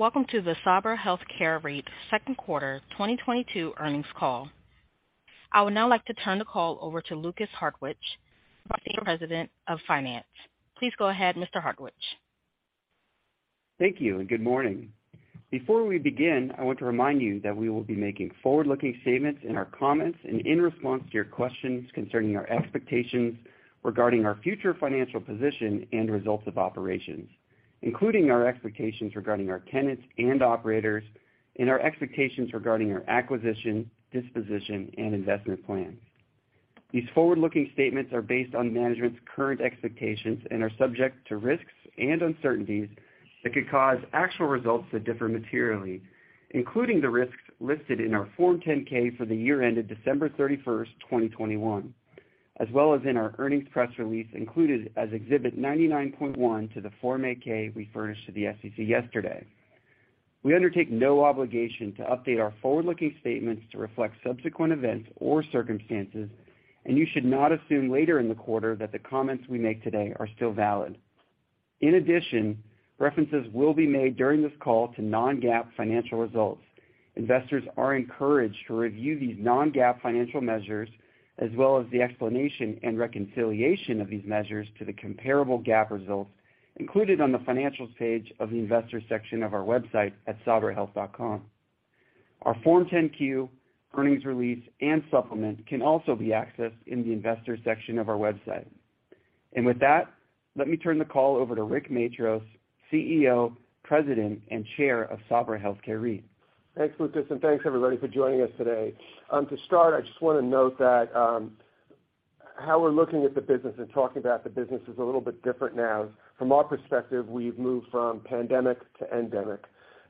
Welcome to the Sabra Health Care REIT Second Quarter 2022 Earnings Call. I would now like to turn the call over to Lukas Hartwich, Executive Vice President, Finance. Please go ahead, Mr. Hartwich. Thank you, and good morning. Before we begin, I want to remind you that we will be making forward-looking statements in our comments and in response to your questions concerning our expectations regarding our future financial position and results of operations, including our expectations regarding our tenants and operators, and our expectations regarding our acquisition, disposition, and investment plans. These forward-looking statements are based on management's current expectations and are subject to risks and uncertainties that could cause actual results to differ materially, including the risks listed in our Form 10-K for the year ended December 31, 2021, as well as in our earnings press release included as Exhibit 99.1 to the Form 8-K we furnished to the SEC yesterday. We undertake no obligation to update our forward-looking statements to reflect subsequent events or circumstances, and you should not assume later in the quarter that the comments we make today are still valid. In addition, references will be made during this call to non-GAAP financial results. Investors are encouraged to review these non-GAAP financial measures as well as the explanation and reconciliation of these measures to the comparable GAAP results included on the Financials page of the Investors section of our website at sabrahealth.com. Our Form 10-Q, earnings release, and supplement can also be accessed in the Investors section of our website. With that, let me turn the call over to Rick Matros, CEO, President, and Chair of Sabra Health Care REIT. Thanks, Lukas, and thanks everybody for joining us today. To start, I just wanna note that how we're looking at the business and talking about the business is a little bit different now. From our perspective, we've moved from pandemic to endemic.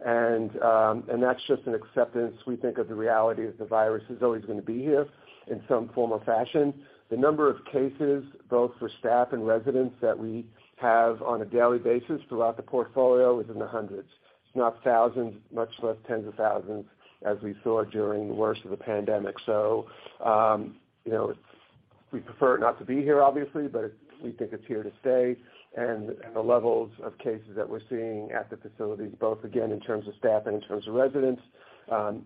That's just an acceptance, we think, of the reality that the virus is always gonna be here in some form or fashion. The number of cases, both for staff and residents, that we have on a daily basis throughout the portfolio is in the hundreds. It's not thousands, much less tens of thousands, as we saw during the worst of the pandemic. You know, we prefer not to be here obviously, but we think it's here to stay. The levels of cases that we're seeing at the facilities, both again, in terms of staff and in terms of residents,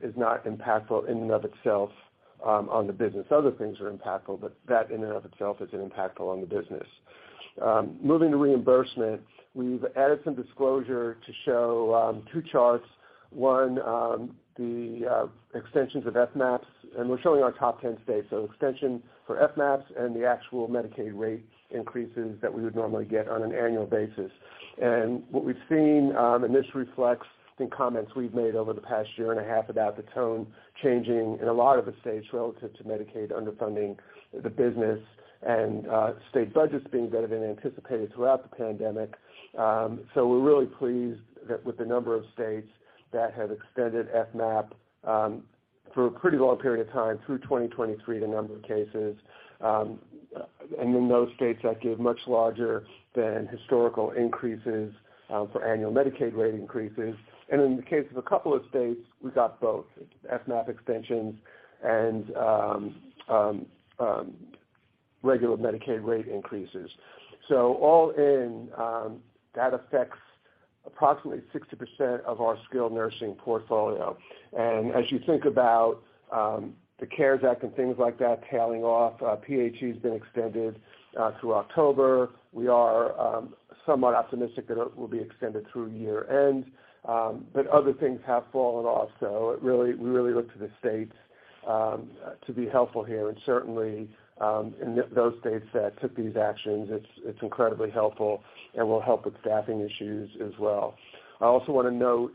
is not impactful in and of itself, on the business. Other things are impactful, but that in and of itself isn't impactful on the business. Moving to reimbursement, we've added some disclosure to show, two charts. One, the extensions of FMAPs. We're showing our top 10 states, so extension for FMAPs and the actual Medicaid rate increases that we would normally get on an annual basis. What we've seen, and this reflects the comments we've made over the past year and a half about the tone changing in a lot of the states relative to Medicaid underfunding the business and, state budgets being better than anticipated throughout the pandemic. We're really pleased with the number of states that have extended FMAP for a pretty long period of time through 2023, the number of states and in those states that give much larger-than-historical increases for annual Medicaid rate increases. In the case of a couple of states, we got both FMAP extensions and regular Medicaid rate increases. All in, that affects approximately 60% of our skilled nursing portfolio. As you think about the CARES Act and things like that tailing off, PHE has been extended through October. We are somewhat optimistic that it will be extended through year-end, but other things have fallen off. We really look to the states to be helpful here. Certainly, in those states that took these actions, it's incredibly helpful and will help with staffing issues as well. I also wanna note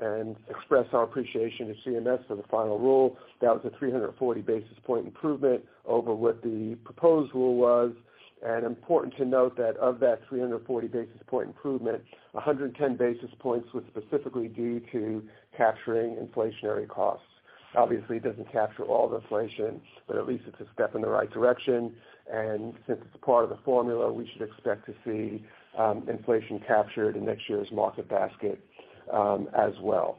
and express our appreciation to CMS for the final rule. That was a 340 basis point improvement over what the proposed rule was. Important to note that of that 340 basis point improvement, 110 basis points was specifically due to capturing inflationary costs. Obviously, it doesn't capture all the inflation, but at least it's a step in the right direction. Since it's part of the formula, we should expect to see inflation captured in next year's market basket as well.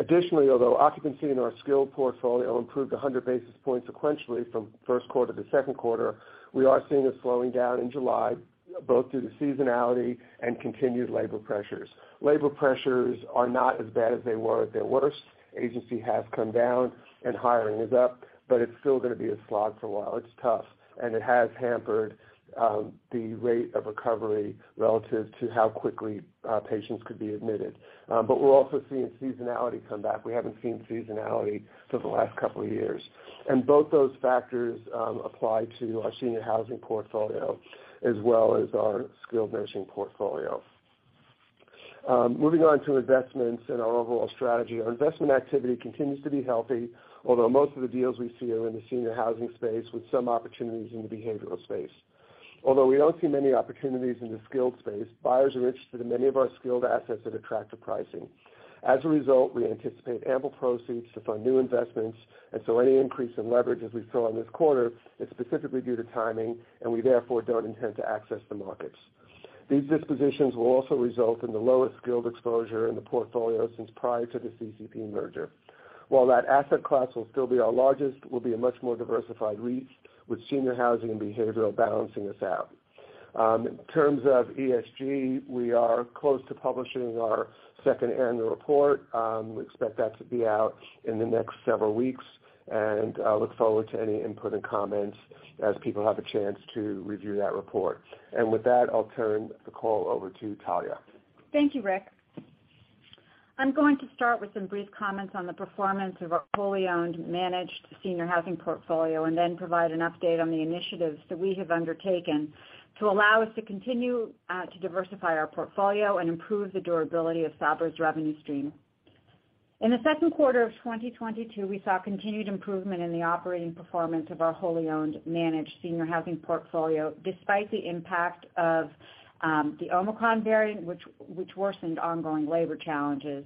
Additionally, although occupancy in our skilled portfolio improved 100 basis points sequentially from first quarter to second quarter, we are seeing a slowing down in July, both due to seasonality and continued labor pressures. Labor pressures are not as bad as they were at their worst. Agency has come down and hiring is up, but it's still gonna be a slog for a while. It's tough, and it has hampered the rate of recovery relative to how quickly patients could be admitted. We're also seeing seasonality come back. We haven't seen seasonality for the last couple of years. Both those factors apply to our senior housing portfolio as well as our skilled nursing portfolio. Moving on to investments and our overall strategy. Our investment activity continues to be healthy, although most of the deals we see are in the senior housing space with some opportunities in the behavioral space. Although we don't see many opportunities in the skilled space, buyers are interested in many of our skilled assets at attractive pricing. As a result, we anticipate ample proceeds to fund new investments, and so any increase in leverage as we saw in this quarter is specifically due to timing, and we therefore don't intend to access the markets. These dispositions will also result in the lowest skilled exposure in the portfolio since prior to the CCP merger. While that asset class will still be our largest, we'll be a much more diversified REIT with senior housing and behavioral balancing us out. In terms of ESG, we are close to publishing our second annual report. We expect that to be out in the next several weeks, and I look forward to any input and comments as people have a chance to review that report. With that, I'll turn the call over to Talya. Thank you, Rick. I'm going to start with some brief comments on the performance of our wholly owned managed senior housing portfolio, and then provide an update on the initiatives that we have undertaken to allow us to continue to diversify our portfolio and improve the durability of Sabra's revenue stream. In the second quarter of 2022, we saw continued improvement in the operating performance of our wholly owned managed senior housing portfolio, despite the impact of the Omicron variant, which worsened ongoing labor challenges.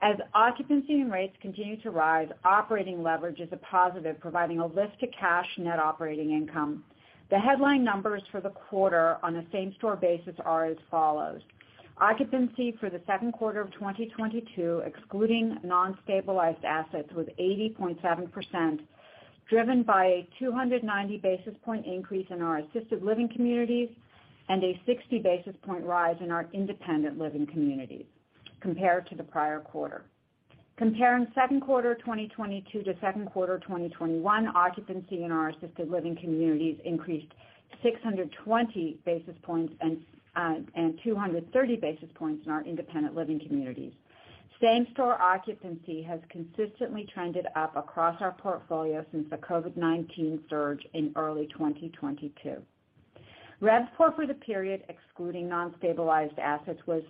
As occupancy and rates continue to rise, operating leverage is a positive, providing a lift to cash net operating income. The headline numbers for the quarter on a same-store basis are as follows. Occupancy for the second quarter of 2022, excluding non-stabilized assets, was 80.7%, driven by a 290 basis point increase in our assisted living communities and a 60 basis point rise in our independent living communities compared to the prior quarter. Comparing second quarter 2022 to second quarter 2021, occupancy in our assisted living communities increased 620 basis points and 230 basis points in our independent living communities. Same-store occupancy has consistently trended up across our portfolio since the COVID-19 surge in early 2022. RevPAR for the period, excluding non-stabilized assets, was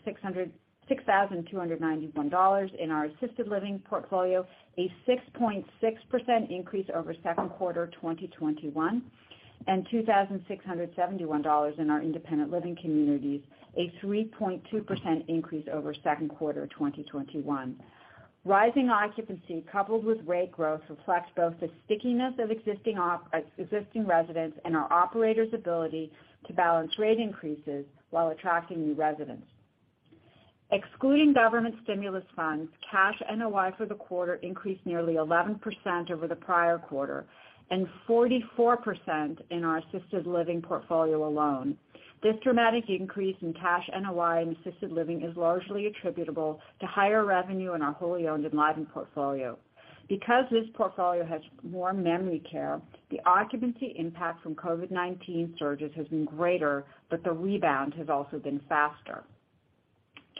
$6,291 in our assisted living portfolio, a 6.6% increase over second quarter 2021, and $2,671 in our independent living communities, a 3.2% increase over second quarter 2021. Rising occupancy coupled with rate growth reflects both the stickiness of existing residents and our operators' ability to balance rate increases while attracting new residents. Excluding government stimulus funds, cash NOI for the quarter increased nearly 11% over the prior quarter and 44% in our assisted living portfolio alone. This dramatic increase in cash NOI in assisted living is largely attributable to higher revenue in our wholly owned Enlivant portfolio. Because this portfolio has more memory care, the occupancy impact from COVID-19 surges has been greater, but the rebound has also been faster.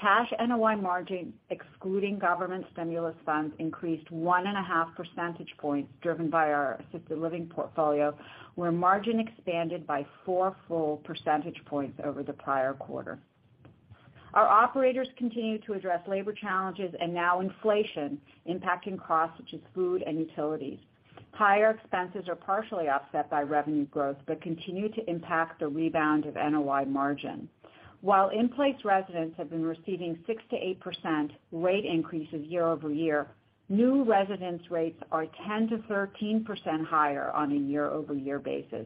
Cash NOI margin, excluding government stimulus funds, increased 1.5 percentage points, driven by our assisted living portfolio, where margin expanded by four percentage points over the prior quarter. Our operators continue to address labor challenges and now inflation impacting costs such as food and utilities. Higher expenses are partially offset by revenue growth but continue to impact the rebound of NOI margin. While in-place residents have been receiving 6%-8% rate increases year-over-year, new residents' rates are 10%-13% higher on a year-over-year basis.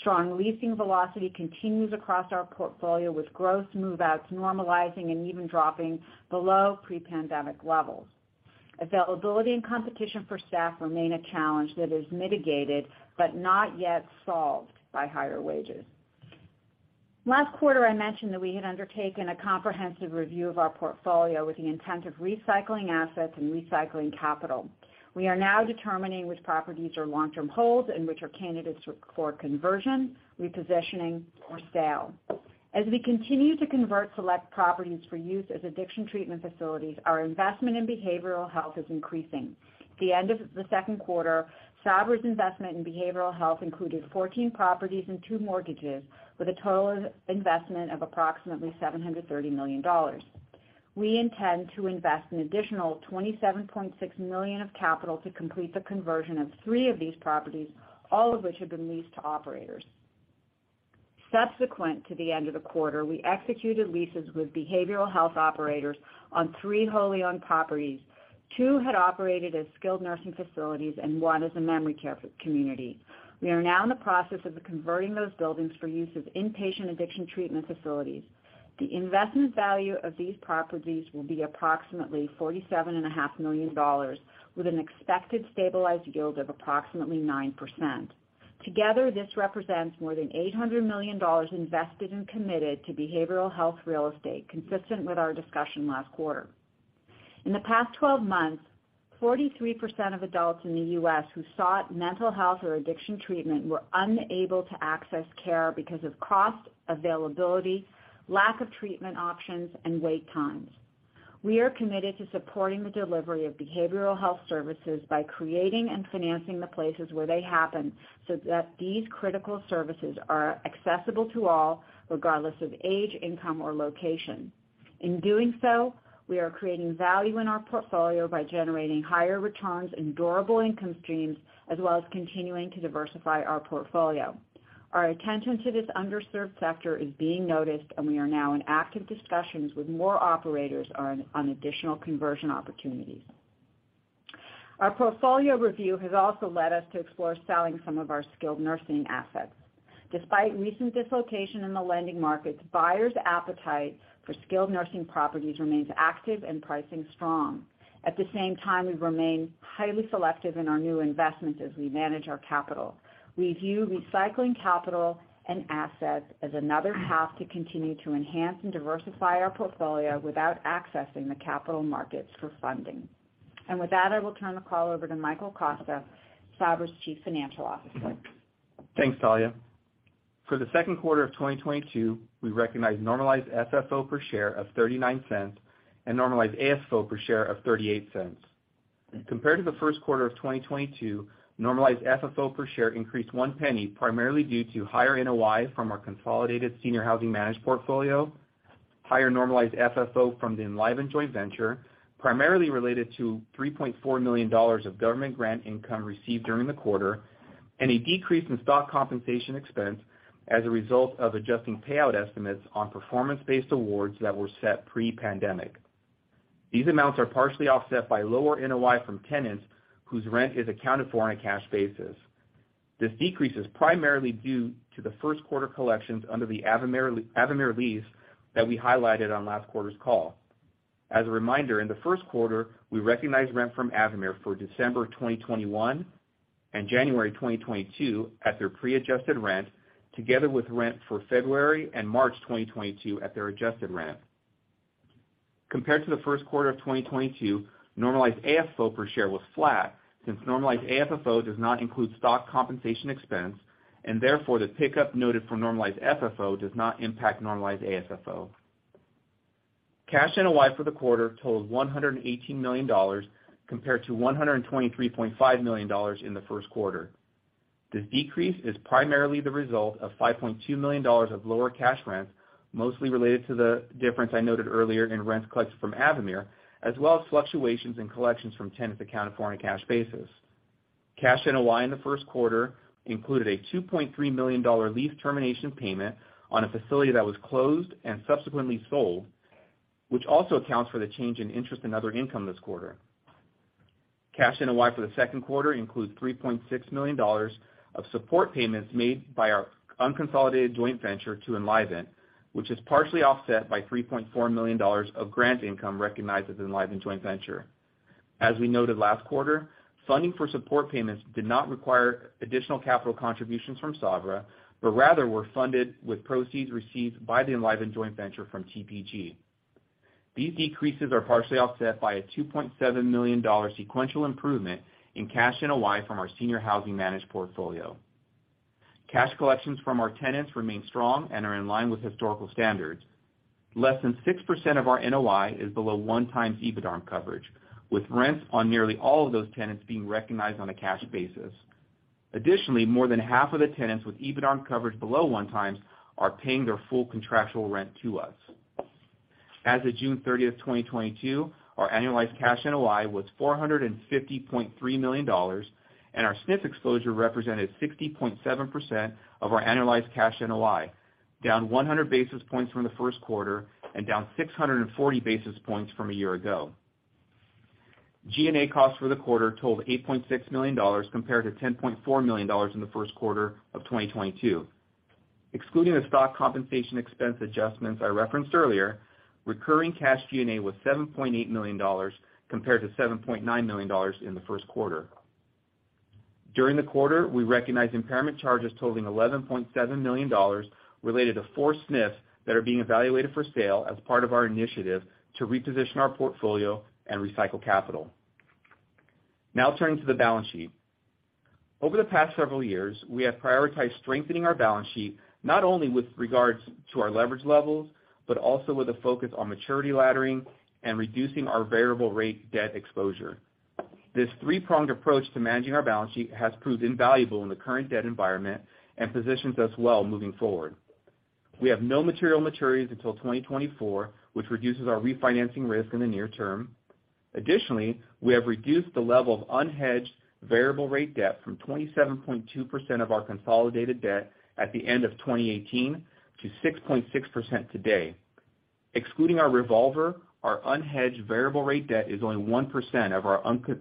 Strong leasing velocity continues across our portfolio, with gross move-outs normalizing and even dropping below pre-pandemic levels. Availability and competition for staff remain a challenge that is mitigated but not yet solved by higher wages. Last quarter, I mentioned that we had undertaken a comprehensive review of our portfolio with the intent of recycling assets and recycling capital. We are now determining which properties are long-term holds and which are candidates for conversion, repositioning, or sale. As we continue to convert select properties for use as addiction treatment facilities, our investment in behavioral health is increasing. At the end of the second quarter, Sabra's investment in behavioral health included 14 properties and two mortgages with a total investment of approximately $730 million. We intend to invest an additional $27.6 million of capital to complete the conversion of three of these properties, all of which have been leased to operators. Subsequent to the end of the quarter, we executed leases with behavioral health operators on three wholly owned properties. Two had operated as skilled nursing facilities and one as a memory care community. We are now in the process of converting those buildings for use as inpatient addiction treatment facilities. The investment value of these properties will be approximately $47 and a half million with an expected stabilized yield of approximately 9%. Together, this represents more than $800 million invested and committed to behavioral health real estate, consistent with our discussion last quarter. In the past 12 months, 43% of adults in the U.S. who sought mental health or addiction treatment were unable to access care because of cost, availability, lack of treatment options, and wait times. We are committed to supporting the delivery of behavioral health services by creating and financing the places where they happen so that these critical services are accessible to all, regardless of age, income or location. In doing so, we are creating value in our portfolio by generating higher returns and durable income streams, as well as continuing to diversify our portfolio. Our attention to this underserved sector is being noticed, and we are now in active discussions with more operators on additional conversion opportunities. Our portfolio review has also led us to explore selling some of our skilled nursing assets. Despite recent dislocation in the lending markets, buyers' appetite for skilled nursing properties remains active and pricing strong. At the same time, we've remained highly selective in our new investments as we manage our capital. We view recycling capital and assets as another path to continue to enhance and diversify our portfolio without accessing the capital markets for funding. With that, I will turn the call over to Michael Costa, Sabra's Chief Financial Officer. Thanks, Talya. For the second quarter of 2022, we recognized normalized FFO per share of $0.39 and normalized AFFO per share of $0.38. Compared to the first quarter of 2022, normalized FFO per share increased $0.01, primarily due to higher NOI from our consolidated senior housing managed portfolio, higher normalized FFO from the Enlivant joint venture, primarily related to $3.4 million of government grant income received during the quarter, and a decrease in stock compensation expense as a result of adjusting payout estimates on performance-based awards that were set pre-pandemic. These amounts are partially offset by lower NOI from tenants whose rent is accounted for on a cash basis. This decrease is primarily due to the first quarter collections under the Avamere lease that we highlighted on last quarter's call. As a reminder, in the first quarter, we recognized rent from Avamere for December 2021 and January 2022 at their pre-adjusted rent, together with rent for February and March 2022 at their adjusted rent. Compared to the first quarter of 2022, normalized AFFO per share was flat, since normalized AFFO does not include stock compensation expense, and therefore, the pickup noted from normalized FFO does not impact normalized AFFO. Cash NOI for the quarter totaled $118 million, compared to $123.5 million in the first quarter. This decrease is primarily the result of $5.2 million of lower cash rents, mostly related to the difference I noted earlier in rents collected from Avamere, as well as fluctuations in collections from tenants accounted for on a cash basis. Cash NOI in the first quarter included a $2.3 million lease termination payment on a facility that was closed and subsequently sold, which also accounts for the change in interest in other income this quarter. Cash NOI for the second quarter includes $3.6 million of support payments made by our unconsolidated joint venture to Enlivant, which is partially offset by $3.4 million of grant income recognized at the Enlivant joint venture. As we noted last quarter, funding for support payments did not require additional capital contributions from Sabra, but rather were funded with proceeds received by the Enlivant joint venture from TPG. These decreases are partially offset by a $2.7 million sequential improvement in cash NOI from our senior housing managed portfolio. Cash collections from our tenants remain strong and are in line with historical standards. Less than 6% of our NOI is below 1x EBITDARM coverage, with rents on nearly all of those tenants being recognized on a cash basis. Additionally, more than half of the tenants with EBITDARM coverage below 1x are paying their full contractual rent to us. As of June 30, 2022, our annualized cash NOI was $450.3 million, and our SNF exposure represented 60.7% of our annualized cash NOI, down 100 basis points from the first quarter and down 640 basis points from a year ago. G&A costs for the quarter totaled $8.6 million compared to $10.4 million in the first quarter of 2022. Excluding the stock compensation expense adjustments I referenced earlier, recurring cash G&A was $7.8 million compared to $7.9 million in the first quarter. During the quarter, we recognized impairment charges totaling $11.7 million related to four SNFs that are being evaluated for sale as part of our initiative to reposition our portfolio and recycle capital. Now turning to the balance sheet. Over the past several years, we have prioritized strengthening our balance sheet, not only with regards to our leverage levels, but also with a focus on maturity laddering and reducing our variable rate debt exposure. This three-pronged approach to managing our balance sheet has proved invaluable in the current debt environment and positions us well moving forward. We have no material maturities until 2024, which reduces our refinancing risk in the near term. Additionally, we have reduced the level of unhedged variable rate debt from 27.2% of our consolidated debt at the end of 2018 to 6.6% today. Excluding our revolver, our unhedged variable rate debt is only 1%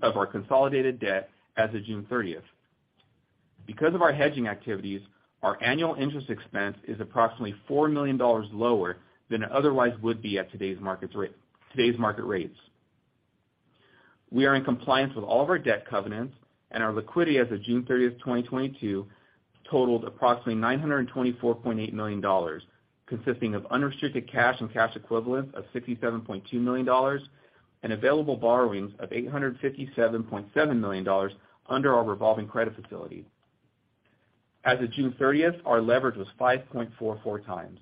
of our consolidated debt as of June 30. Because of our hedging activities, our annual interest expense is approximately $4 million lower than it otherwise would be at today's market rates. We are in compliance with all of our debt covenants, and our liquidity as of June 30, 2022 totaled approximately $924.8 million, consisting of unrestricted cash and cash equivalents of $67.2 million and available borrowings of $857.7 million under our revolving credit facility. As of June 30, our leverage was 5.44x.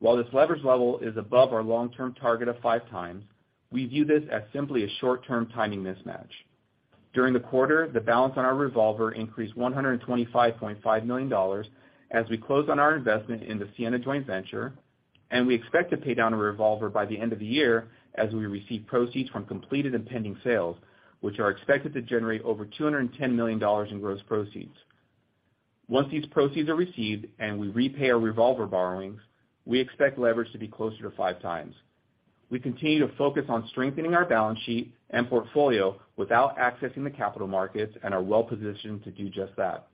While this leverage level is above our long-term target of 5x, we view this as simply a short-term timing mismatch. During the quarter, the balance on our revolver increased $125.5 million as we closed on our investment in the Sienna joint venture, and we expect to pay down a revolver by the end of the year as we receive proceeds from completed and pending sales, which are expected to generate over $210 million in gross proceeds. Once these proceeds are received and we repay our revolver borrowings, we expect leverage to be closer to 5x. We continue to focus on strengthening our balance sheet and portfolio without accessing the capital markets and are well positioned to do just that.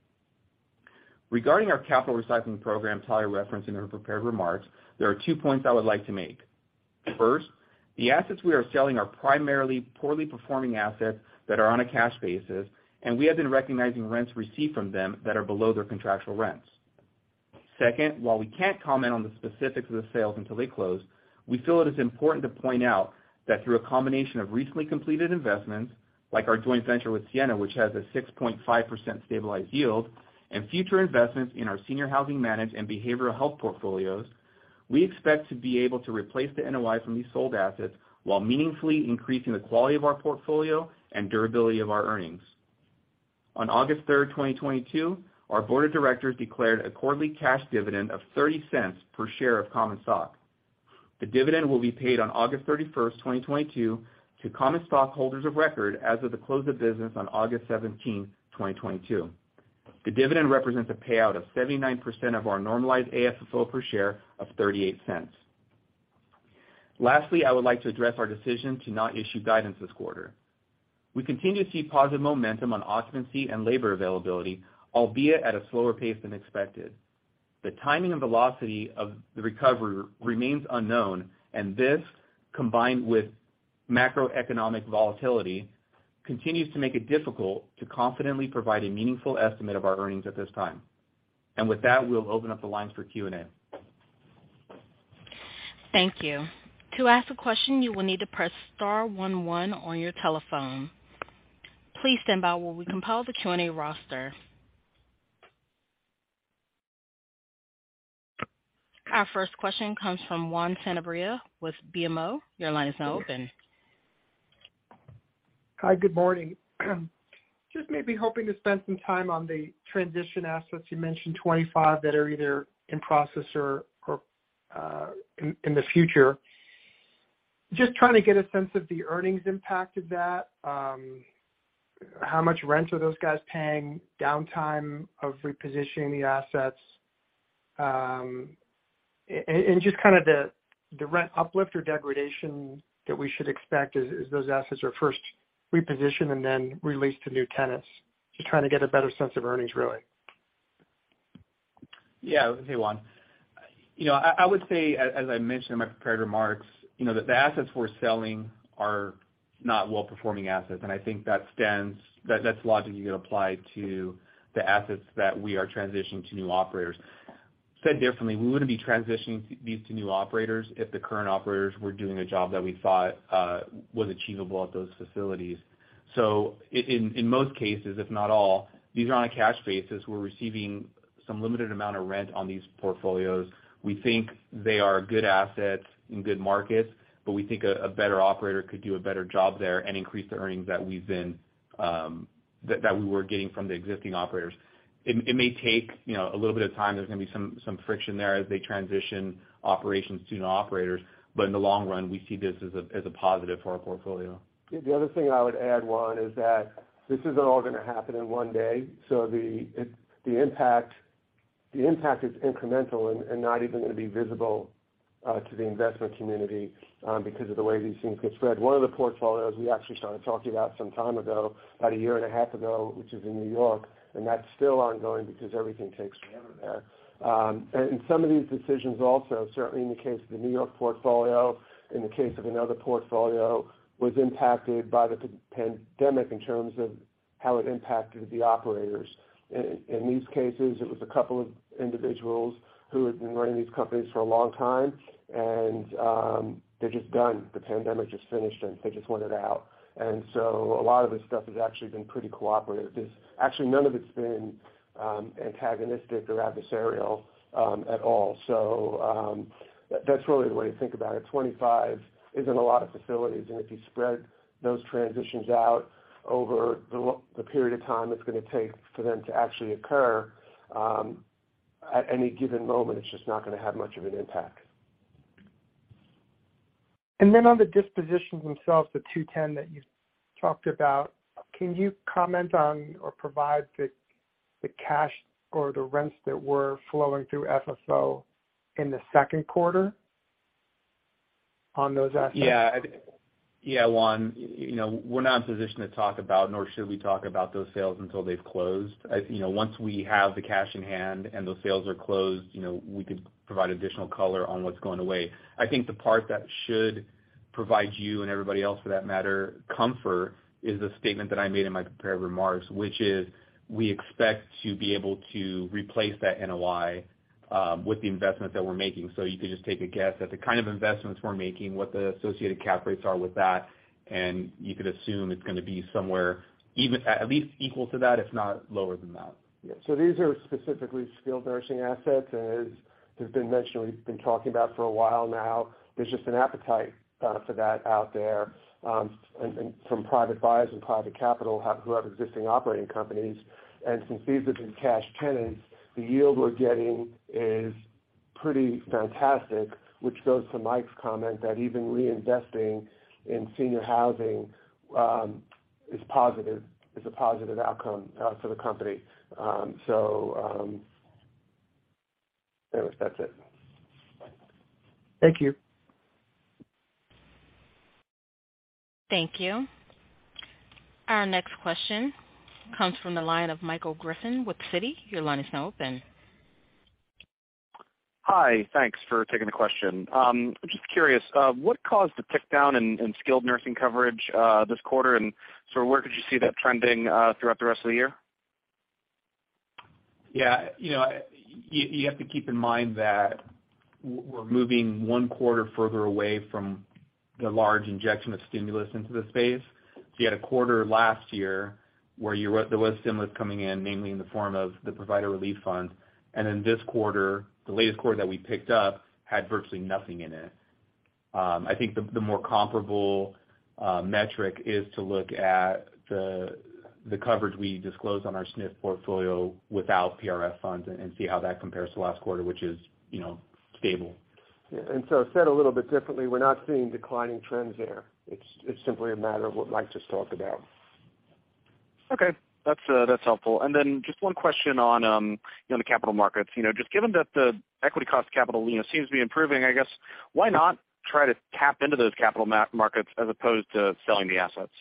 Regarding our capital recycling program Talya referenced in her prepared remarks, there are two points I would like to make. First, the assets we are selling are primarily poorly performing assets that are on a cash basis, and we have been recognizing rents received from them that are below their contractual rents. Second, while we can't comment on the specifics of the sales until they close, we feel it is important to point out that through a combination of recently completed investments, like our joint venture with Sienna, which has a 6.5% stabilized yield and future investments in our senior housing managed and behavioral health portfolios, we expect to be able to replace the NOI from these sold assets while meaningfully increasing the quality of our portfolio and durability of our earnings. On August 3, 2022, our board of directors declared a quarterly cash dividend of $0.30 per share of common stock. The dividend will be paid on August 31, 2022 to common stock holders of record as of the close of business on August 17, 2022. The dividend represents a payout of 79% of our normalized AFFO per share of $0.38. Lastly, I would like to address our decision to not issue guidance this quarter. We continue to see positive momentum on occupancy and labor availability, albeit at a slower pace than expected. The timing and velocity of the recovery remains unknown, and this, combined with macroeconomic volatility, continues to make it difficult to confidently provide a meaningful estimate of our earnings at this time. With that, we'll open up the lines for Q&A. Thank you. To ask a question, you will need to press star one one on your telephone. Please stand by while we compile the Q&A roster. Our first question comes from Juan Sanabria with BMO. Your line is now open. Hi. Good morning. Just maybe hoping to spend some time on the transition assets. You mentioned 25 that are either in process or in the future. Just trying to get a sense of the earnings impact of that, how much rent are those guys paying, downtime of repositioning the assets, and just kind of the rent uplift or degradation that we should expect as those assets are first repositioned and then released to new tenants. Just trying to get a better sense of earnings, really. Yeah. Hey, Juan. You know, I would say, as I mentioned in my prepared remarks, you know, that the assets we're selling are not well-performing assets, and I think that stems, that's logic you could apply to the assets that we are transitioning to new operators. Said differently, we wouldn't be transitioning these to new operators if the current operators were doing a job that we thought was achievable at those facilities. In most cases, if not all, these are on a cash basis. We're receiving some limited amount of rent on these portfolios. We think they are good assets in good markets, but we think a better operator could do a better job there and increase the earnings that we've been, that we were getting from the existing operators. It may take, you know, a little bit of time. There's gonna be some friction there as they transition operations to new operators. In the long run, we see this as a positive for our portfolio. The other thing I would add, Juan, is that this isn't all gonna happen in one day. The impact is incremental and not even gonna be visible to the investment community because of the way these things get spread. One of the portfolios we actually started talking about some time ago, about a year and a half ago, which is in New York, and that's still ongoing because everything takes forever there. Some of these decisions also, certainly in the case of the New York portfolio, in the case of another portfolio, was impacted by the pandemic in terms of how it impacted the operators. In these cases, it was a couple of individuals who had been running these companies for a long time, and they're just done. The pandemic just finished, and they just wanted out. A lot of this stuff has actually been pretty cooperative. Actually, none of it's been antagonistic or adversarial at all. That's really the way to think about it. 25 isn't a lot of facilities, and if you spread those transitions out over the period of time it's gonna take for them to actually occur, at any given moment, it's just not gonna have much of an impact. On the dispositions themselves, the two-10 that you talked about, can you comment on or provide the cash or the rents that were flowing through FFO in the second quarter on those assets? Yeah. Yeah, Juan. You know, we're not in a position to talk about, nor should we talk about those sales until they've closed. As you know, once we have the cash in hand and those sales are closed, you know, we could provide additional color on what's going away. I think the part that should provide you and everybody else, for that matter, comfort is the statement that I made in my prepared remarks, which is we expect to be able to replace that NOI with the investments that we're making. You could just take a guess at the kind of investments we're making, what the associated cap rates are with that, and you could assume it's gonna be somewhere even at least equal to that, if not lower than that. Yeah. These are specifically skilled nursing assets. As has been mentioned, we've been talking about for a while now. There's just an appetite for that out there, and from private buyers and private capital who have existing operating companies. Since these have been cash tenants, the yield we're getting is pretty fantastic, which goes to Mike's comment that even reinvesting in senior housing is a positive outcome for the company. That's it. Bye. Thank you. Thank you. Our next question comes from the line of Michael Griffin with Citi. Your line is now open. Hi. Thanks for taking the question. Just curious, what caused the tick down in skilled nursing coverage this quarter? Where could you see that trending throughout the rest of the year? Yeah. You know, you have to keep in mind that we're moving one quarter further away from the large injection of stimulus into the space. You had a quarter last year where there was stimulus coming in, mainly in the form of the Provider Relief Fund, and then this quarter, the latest quarter that we picked up had virtually nothing in it. I think the more comparable metric is to look at the coverage we disclose on our SNF portfolio without PRF funds and see how that compares to last quarter, which is, you know, stable. Yeah. Said a little bit differently, we're not seeing declining trends there. It's simply a matter of what Mike just talked about. Okay. That's helpful. Just one question on, you know, the capital markets, you know, just given that the equity cost capital, you know, seems to be improving, I guess, why not try to tap into those capital markets as opposed to selling the assets?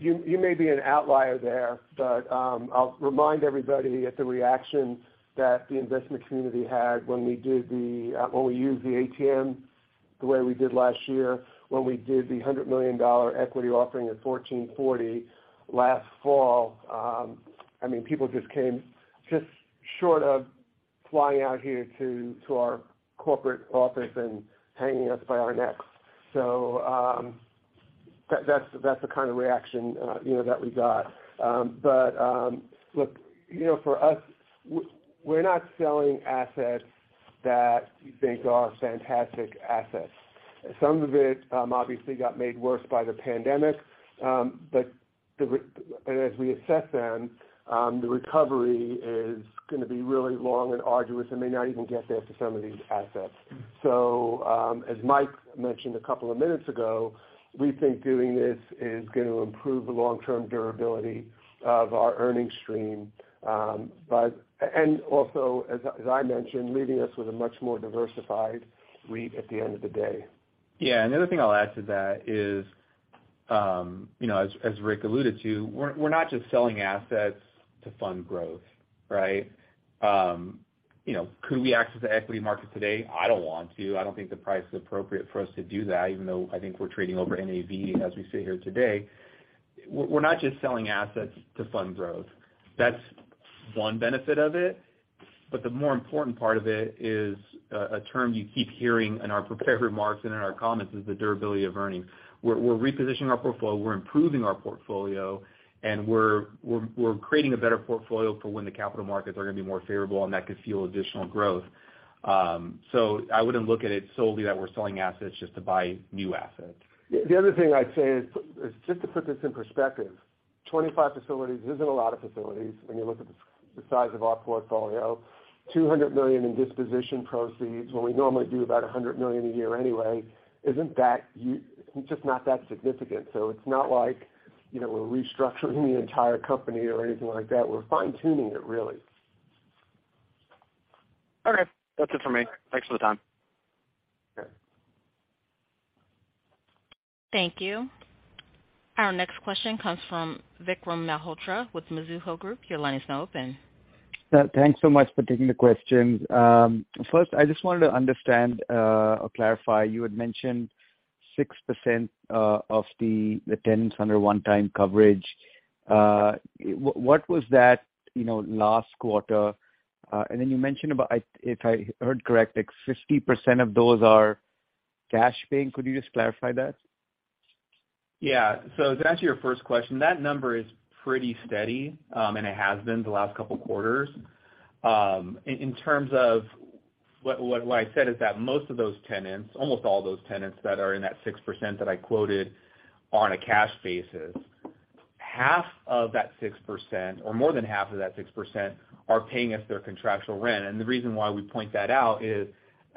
You may be an outlier there, but I'll remind everybody of the reaction that the investment community had when we used the ATM the way we did last year, when we did the $100 million equity offering at $14.40 last fall. I mean, people came just short of flying out here to our corporate office and hanging us by our necks. That's the kind of reaction, you know, that we got. Look, you know, for us, we're not selling assets that we think are fantastic assets. Some of it obviously got made worse by the pandemic. And as we assess them, the recovery is gonna be really long and arduous and may not even get there for some of these assets. As Mike mentioned a couple of minutes ago, we think doing this is going to improve the long-term durability of our earnings stream. Also, as I mentioned, leaving us with a much more diversified REIT at the end of the day. Yeah. The other thing I'll add to that is, you know, as Rick alluded to, we're not just selling assets to fund growth, right? You know, could we access the equity market today? I don't want to. I don't think the price is appropriate for us to do that, even though I think we're trading over NAV as we sit here today. We're not just selling assets to fund growth. That's one benefit of it. But the more important part of it is a term you keep hearing in our prepared remarks and in our comments is the durability of earnings. We're repositioning our portfolio, we're improving our portfolio, and we're creating a better portfolio for when the capital markets are gonna be more favorable, and that could fuel additional growth. I wouldn't look at it solely that we're selling assets just to buy new assets. The other thing I'd say is just to put this in perspective, 25 facilities isn't a lot of facilities when you look at the the size of our portfolio. $200 million in disposition proceeds when we normally do about $100 million a year anyway isn't that just not that significant. It's not like, you know, we're restructuring the entire company or anything like that. We're fine-tuning it, really. Okay. That's it for me. Thanks for the time. Okay. Thank you. Our next question comes from Vikram Malhotra with Mizuho Group. Your line is now open. Thanks so much for taking the questions. First, I just wanted to understand or clarify, you had mentioned 6% of the tenants under one time coverage. What was that, you know, last quarter? And then you mentioned about, if I heard correct, like 50% of those are cash paying. Could you just clarify that? Yeah. To answer your first question, that number is pretty steady, and it has been the last couple quarters. In terms of what I said is that most of those tenants, almost all those tenants that are in that 6% that I quoted on a cash basis, half of that 6%, or more than half of that 6% are paying us their contractual rent. The reason why we point that out is,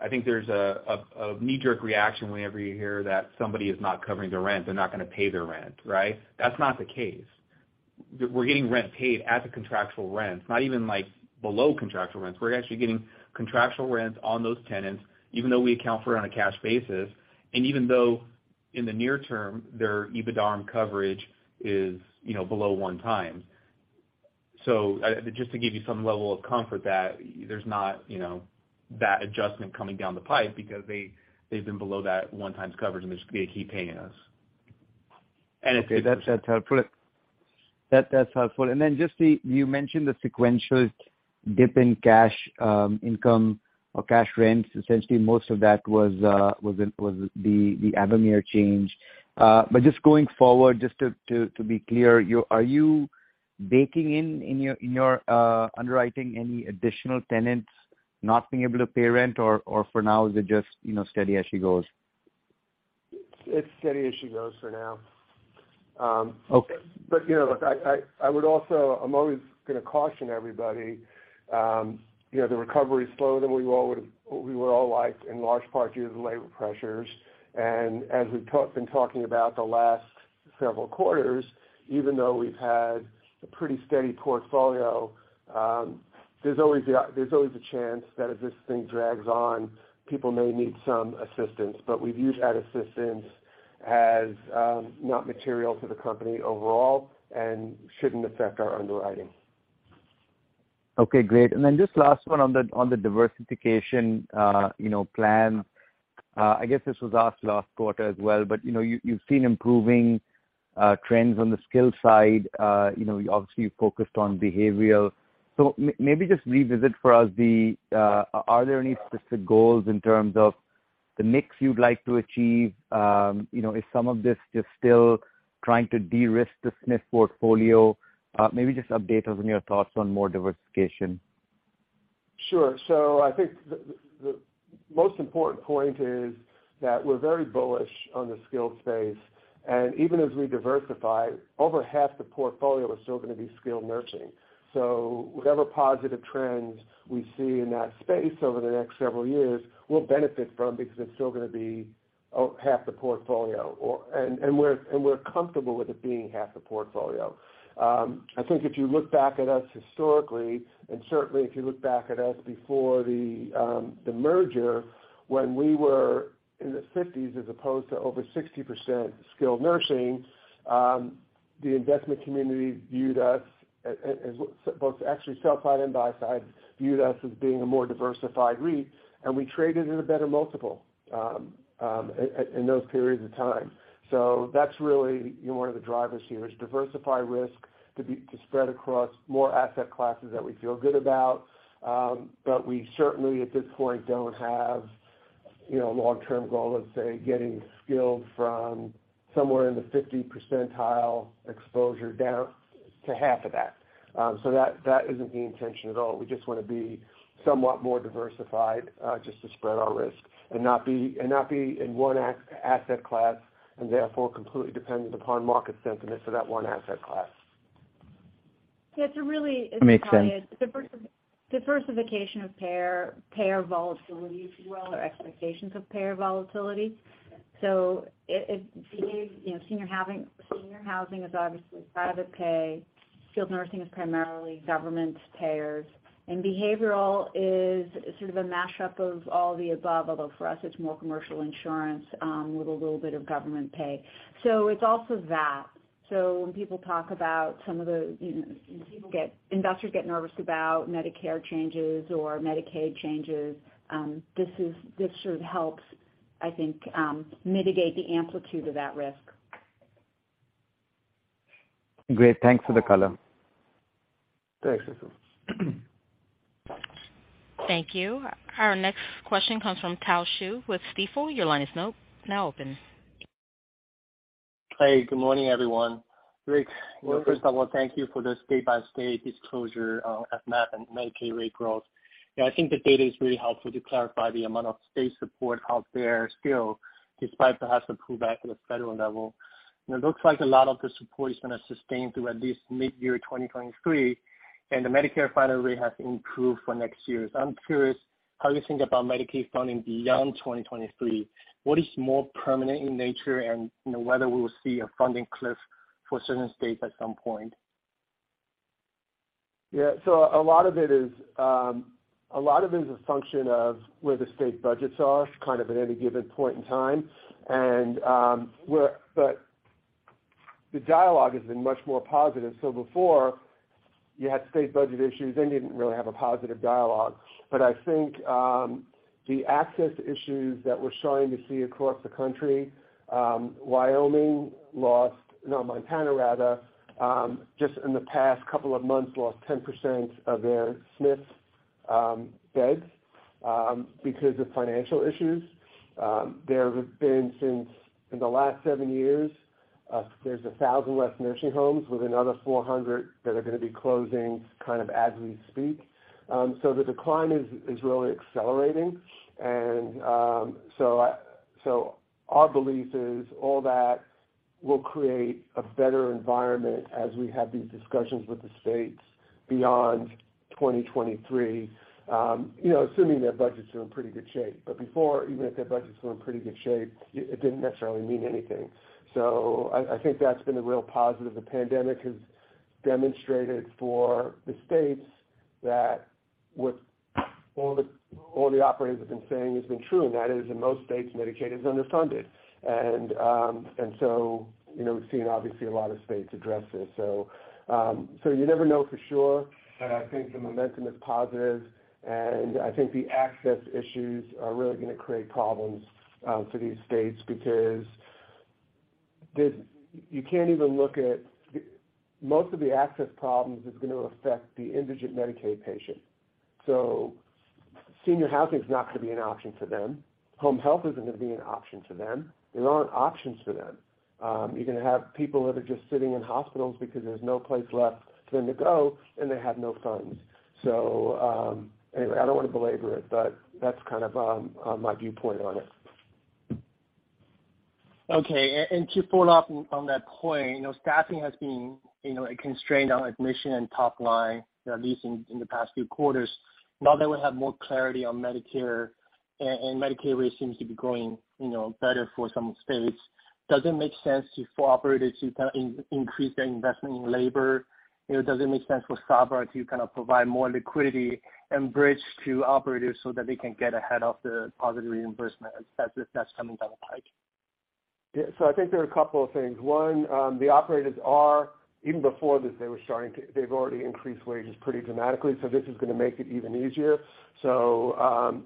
I think there's a knee-jerk reaction whenever you hear that somebody is not covering their rent, they're not gonna pay their rent, right? That's not the case. We're getting rent paid at the contractual rents, not even like below contractual rents. We're actually getting contractual rents on those tenants, even though we account for it on a cash basis, and even though in the near term, their EBITDARM coverage is, you know, below one times. I just to give you some level of comfort that there's not, you know, that adjustment coming down the pipe because they've been below that one times coverage, and they keep paying us. Okay. That's helpful. You mentioned the sequential dip in cash income or cash rents, essentially most of that was in the Avamere change. Just going forward, just to be clear, are you baking in your underwriting any additional tenants not being able to pay rent? For now, is it just, you know, steady as she goes? It's steady as she goes for now. Okay. You know, look, I would also—I'm always gonna caution everybody, you know, the recovery is slower than we would all like in large part due to the labor pressures. As we've been talking about the last several quarters, even though we've had a pretty steady portfolio, there's always a chance that if this thing drags on, people may need some assistance. We view that assistance as not material to the company overall and shouldn't affect our underwriting. Okay, great. Then just last one on the diversification, you know, plan. I guess this was asked last quarter as well, but you know, you've seen improving trends on the skilled side. You know, you obviously focused on behavioral. Maybe just revisit for us the are there any specific goals in terms of the mix you'd like to achieve? You know, is some of this just still trying to de-risk the SNF portfolio? Maybe just update us on your thoughts on more diversification. I think the most important point is that we're very bullish on the skilled space. Even as we diversify, over half the portfolio is still gonna be skilled nursing. Whatever positive trends we see in that space over the next several years, we'll benefit from because it's still gonna be half the portfolio. We're comfortable with it being half the portfolio. I think if you look back at us historically, and certainly if you look back at us before the merger, when we were in the 50s as opposed to over 60% skilled nursing, the investment community viewed us as both actually sell-side and buy-side, viewed us as being a more diversified REIT, and we traded at a better multiple in those periods of time. That's really, you know, one of the drivers here, is diversify risk to spread across more asset classes that we feel good about. We certainly, at this point, don't have, you know, a long-term goal of, say, getting skilled from somewhere in the 50 percentile exposure down to half of that. That isn't the intention at all. We just wanna be somewhat more diversified, just to spread our risk and not be in one asset class and therefore completely dependent upon market sentiment for that one asset class. Yeah. It's a really Makes sense. It's probably a diversification of payer volatility, if you will, or expectations of payer volatility. It behaves, you know, senior housing is obviously private pay, skilled nursing is primarily government payers, and behavioral is sort of a mashup of all the above, although for us, it's more commercial insurance with a little bit of government pay. It's also that. When people talk about some of the, you know, investors get nervous about Medicare changes or Medicaid changes, this sort of helps, I think, mitigate the amplitude of that risk. Great. Thanks for the color. Thanks. Thank you. Our next question comes from Tao Qiu with Stifel. Your line is now open. Hey, good morning, everyone. Rick, well, first I wanna thank you for the state-by-state disclosure, FMAP and Medicaid rate growth. Yeah, I think the data is really helpful to clarify the amount of state support out there still, despite perhaps a pullback at the federal level. It looks like a lot of the support is gonna sustain through at least mid-year 2023, and the Medicare FMAP rate has improved for next year. I'm curious how you think about Medicaid funding beyond 2023. What is more permanent in nature and, you know, whether we will see a funding cliff for certain states at some point? Yeah. A lot of it is a function of where the state budgets are kind of at any given point in time. The dialogue has been much more positive. Before, you had state budget issues, they didn't really have a positive dialogue. I think the access issues that we're starting to see across the country, Wyoming lost, no Montana rather, just in the past couple of months, lost 10% of their SNF beds because of financial issues. There have been, in the last seven years, 1,000 less nursing homes with another 400 that are gonna be closing kind of as we speak. The decline is really accelerating. Our belief is all that will create a better environment as we have these discussions with the states beyond 2023, you know, assuming their budgets are in pretty good shape. Before, even if their budgets were in pretty good shape, it didn't necessarily mean anything. I think that's been a real positive. The pandemic has demonstrated for the states that what all the operators have been saying has been true, and that is in most states, Medicaid is underfunded. You know, we've seen obviously a lot of states address this. You never know for sure. I think the momentum is positive, and I think the access issues are really gonna create problems for these states because this, you can't even look at. Most of the access problems is gonna affect the indigent Medicaid patient. Senior housing is not gonna be an option for them. Home health isn't gonna be an option to them. There aren't options for them. You're gonna have people that are just sitting in hospitals because there's no place left for them to go, and they have no funds. Anyway, I don't wanna belabor it, but that's kind of my viewpoint on it. To follow up on that point, you know, staffing has been, you know, a constraint on admission and top line, you know, at least in the past few quarters. Now that we have more clarity on Medicare and Medicaid rates seem to be growing, you know, better for some states. Does it make sense for operators to increase their investment in labor? You know, does it make sense for Sabra to kind of provide more liquidity and bridge to operators so that they can get ahead of the positive reimbursement as that's coming down the pike? Yeah. I think there are a couple of things. One, the operators are even before this. They've already increased wages pretty dramatically, so this is gonna make it even easier. The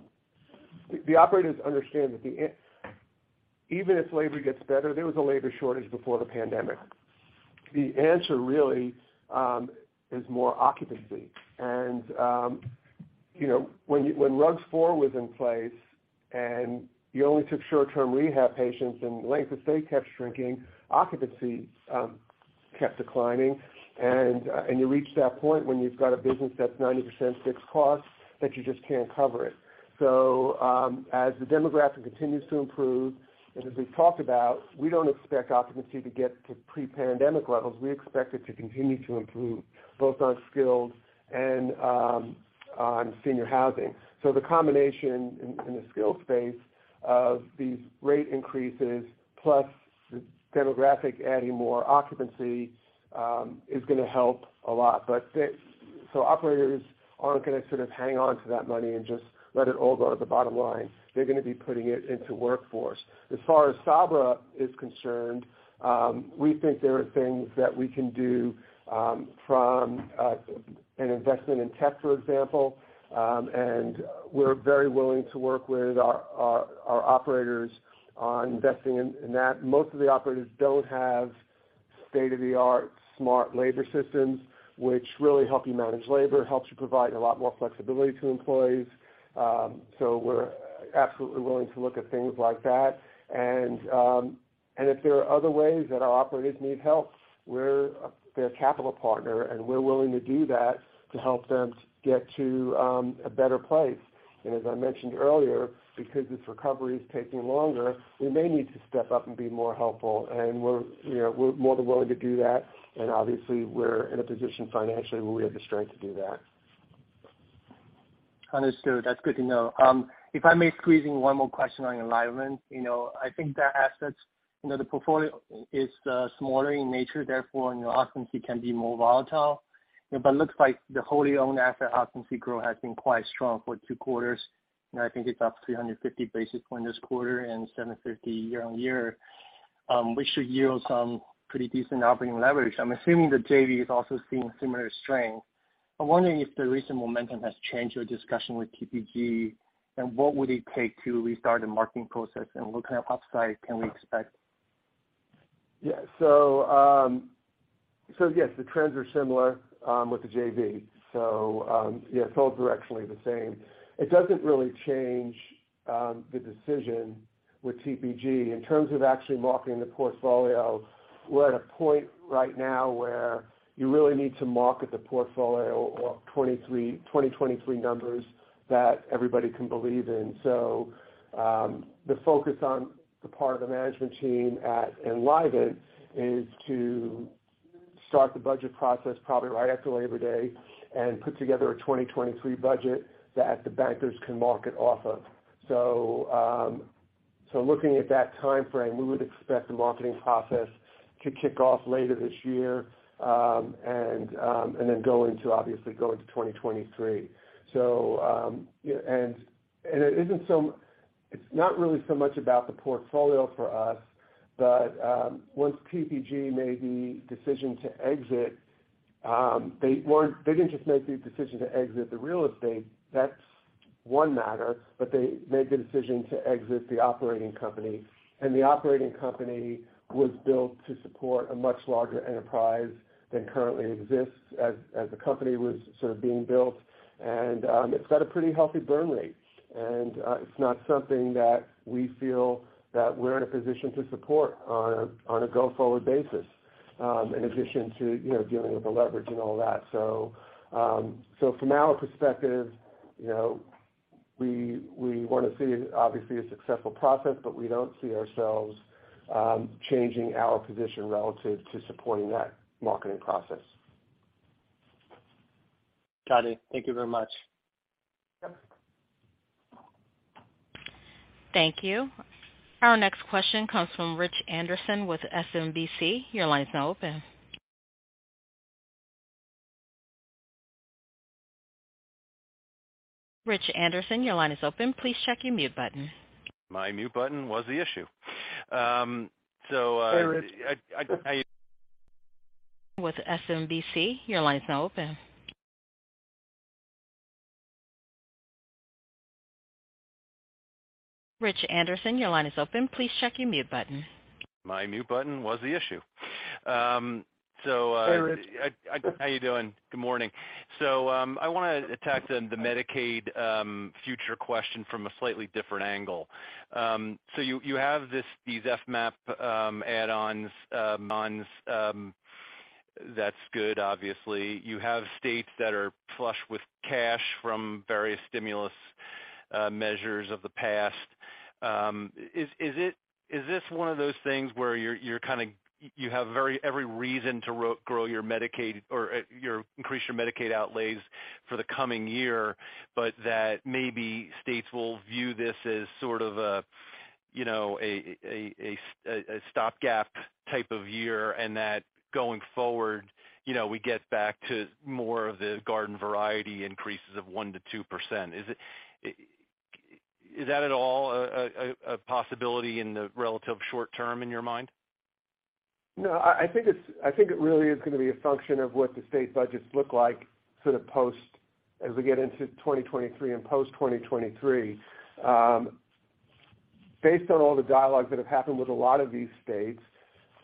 operators understand that even if labor gets better, there was a labor shortage before the pandemic. The answer really is more occupancy. You know, when RUGS 4 was in place and you only took short-term rehab patients and length of stay kept shrinking, occupancy kept declining. You reach that point when you've got a business that's 90% fixed costs that you just can't cover it. As the demographic continues to improve, and as we've talked about, we don't expect occupancy to get to pre-pandemic levels. We expect it to continue to improve both on skilled and on senior housing. The combination in the skilled space of these rate increases plus the demographic adding more occupancy is gonna help a lot. Operators aren't gonna sort of hang on to that money and just let it all go to the bottom line. They're gonna be putting it into workforce. As far as Sabra is concerned, we think there are things that we can do from an investment in tech, for example. We're very willing to work with our operators on investing in that. Most of the operators don't have state-of-the-art smart labor systems, which really help you manage labor, helps you provide a lot more flexibility to employees. We're absolutely willing to look at things like that. If there are other ways that our operators need help, we're their capital partner, and we're willing to do that to help them get to a better place. As I mentioned earlier, because this recovery is taking longer, we may need to step up and be more helpful. You know, we're more than willing to do that. Obviously, we're in a position financially where we have the strength to do that. Understood. That's good to know. If I may squeeze in one more question on Enlivant. You know, I think the assets, you know, the portfolio is smaller in nature, therefore, you know, occupancy can be more volatile. Looks like the wholly owned asset occupancy growth has been quite strong for two quarters, and I think it's up 350 basis point this quarter and 750 year-over-year, which should yield some pretty decent operating leverage. I'm assuming the JV is also seeing similar strength. I'm wondering if the recent momentum has changed your discussion with TPG, and what would it take to restart a marketing process, and what kind of upside can we expect? Yeah. Yes, the trends are similar with the JV. Yeah, it's all directionally the same. It doesn't really change the decision with TPG. In terms of actually marketing the portfolio, we're at a point right now where you really need to market the portfolio of 2023 numbers that everybody can believe in. The focus on the part of the management team at Enlivant is to start the budget process probably right after Labor Day and put together a 2023 budget that the bankers can market off of. Looking at that timeframe, we would expect the marketing process to kick off later this year, and then obviously go into 2023. It’s not really so much about the portfolio for us, but once TPG made the decision to exit, they didn’t just make the decision to exit the real estate. That’s one matter, but they made the decision to exit the operating company. The operating company was built to support a much larger enterprise than currently exists as the company was sort of being built. It’s got a pretty healthy burn rate, and it’s not something that we feel that we’re in a position to support on a go-forward basis, in addition to you know, dealing with the leverage and all that. From our perspective, you know, we wanna see obviously a successful process, but we don't see ourselves changing our position relative to supporting that marketing process. Got it. Thank you very much. Yep. Thank you. Our next question comes from Rich Anderson with SMBC. Your line is now open. Rich Anderson, your line is open. Please check your mute button. My mute button was the issue. Hey, Rich. I, I- With SMBC, your line is now open. Rich Anderson, your line is open. Please check your mute button. My mute button was the issue. Hey, Rich. How you doing? Good morning. I wanna attack the Medicaid future question from a slightly different angle. You have these FMAP add-ons months, that's good obviously. You have states that are flush with cash from various stimulus measures of the past. Is it one of those things where you're kinda you have every reason to grow your Medicaid or increase your Medicaid outlays for the coming year, but that maybe states will view this as sort of a you know a stopgap type of year, and that going forward, you know, we get back to more of the garden variety increases of 1%-2%. Is it? Is that at all a possibility in the relatively short term in your mind? I think it really is gonna be a function of what the state budgets look like sort of post as we get into 2023 and post 2023. Based on all the dialogues that have happened with a lot of these states,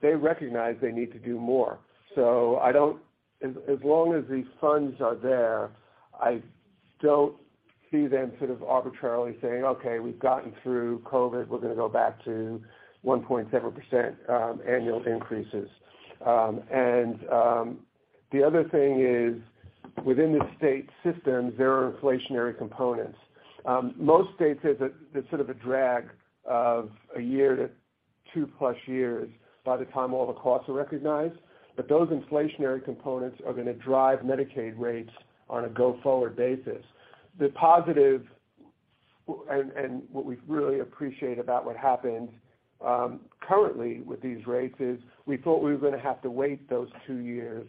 they recognize they need to do more. As long as these funds are there, I don't see them sort of arbitrarily saying, "Okay, we've gotten through COVID. We're gonna go back to 1.7%, annual increases." The other thing is, within the state systems, there are inflationary components. Most states, there's sort of a drag of a year to 2+ years by the time all the costs are recognized, but those inflationary components are gonna drive Medicaid rates on a go-forward basis. What we really appreciate about what happens currently with these rates is we thought we were gonna have to wait those two years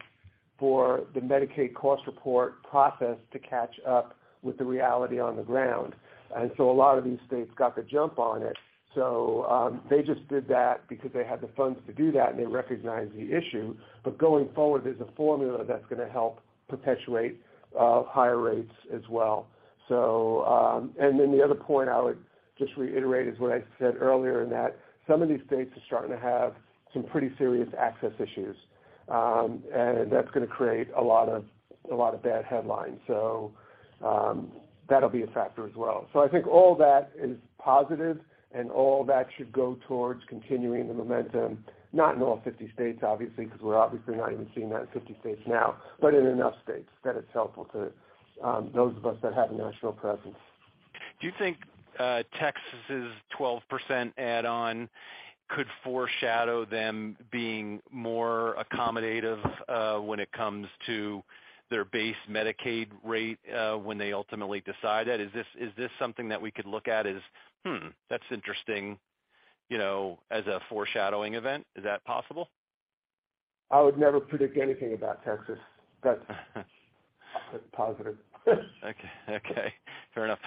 for the Medicaid cost report process to catch up with the reality on the ground. A lot of these states got the jump on it. They just did that because they had the funds to do that, and they recognized the issue. Going forward, there's a formula that's gonna help perpetuate higher rates as well. Then the other point I would just reiterate is what I said earlier, in that some of these states are starting to have some pretty serious access issues. That's gonna create a lot of bad headlines. That'll be a factor as well. I think all that is positive, and all that should go towards continuing the momentum, not in all 50 states, obviously, because we're obviously not even seeing that in 50 states now, but in enough states that it's helpful to those of us that have a national presence. Do you think, Texas's 12% add-on could foreshadow them being more accommodative, when it comes to their base Medicaid rate, when they ultimately decide that? Is this, is this something that we could look at as, that's interesting, you know, as a foreshadowing event? Is that possible? I would never predict anything about Texas, but positive. Okay. Fair enough.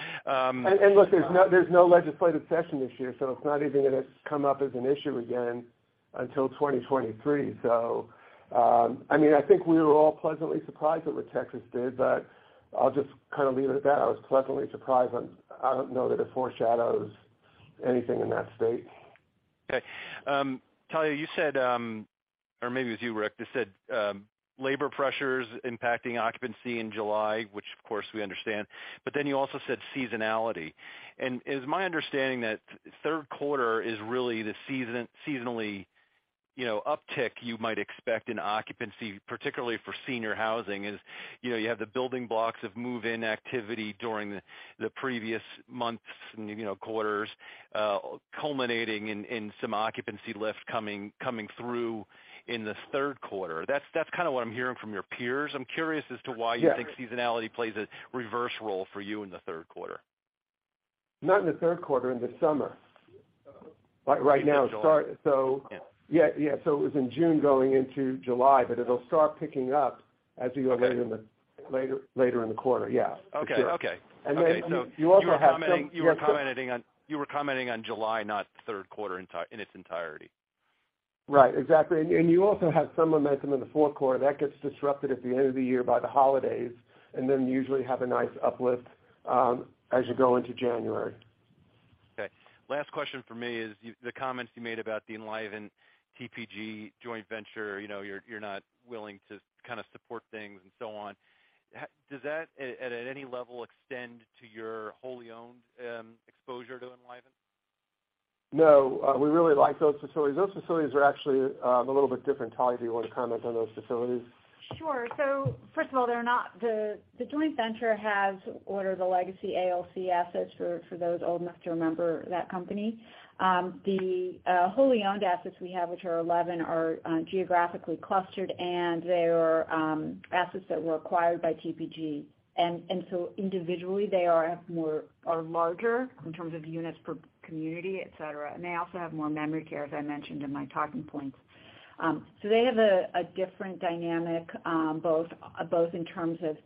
Look, there's no legislative session this year, so it's not even gonna come up as an issue again until 2023. I mean, I think we were all pleasantly surprised at what Texas did, but I'll just kind of leave it at that. I was pleasantly surprised, and I don't know that it foreshadows anything in that state. Okay. Talya, you said, or maybe it was you, Rick, just said, labor pressures impacting occupancy in July, which of course we understand, but then you also said seasonality. It is my understanding that third quarter is really the seasonal uptick you might expect in occupancy, particularly for senior housing. You know, you have the building blocks of move-in activity during the previous months and quarters, culminating in some occupancy lift coming through in the third quarter. That's kinda what I'm hearing from your peers. I'm curious as to why. Yes You think seasonality plays a reverse role for you in the third quarter? Not in the third quarter, in the summer. Like right now, start. So yeah. So it was in June going into July, but it'll start picking up as we go later in the quarter. Yeah. Okay. You also have some. You were commenting on July, not the third quarter in its entirety. Right. Exactly. You also have some momentum in the fourth quarter. That gets disrupted at the end of the year by the holidays, and then you usually have a nice uplift, as you go into January. Last question from me is the comments you made about the Enlivant TPG joint venture, you know, you're not willing to kinda support things and so on. Does that at any level extend to your wholly owned exposure to Enlivant? No. We really like those facilities. Those facilities are actually a little bit different. Talya, do you wanna comment on those facilities? The joint venture has ordered the legacy ALC assets for those old enough to remember that company. The wholly owned assets we have, which are 11, are geographically clustered, and they were assets that were acquired by TPG. Individually, they are more or larger in terms of units per community, et cetera. They also have more memory care, as I mentioned in my talking points. They have a different dynamic both in terms of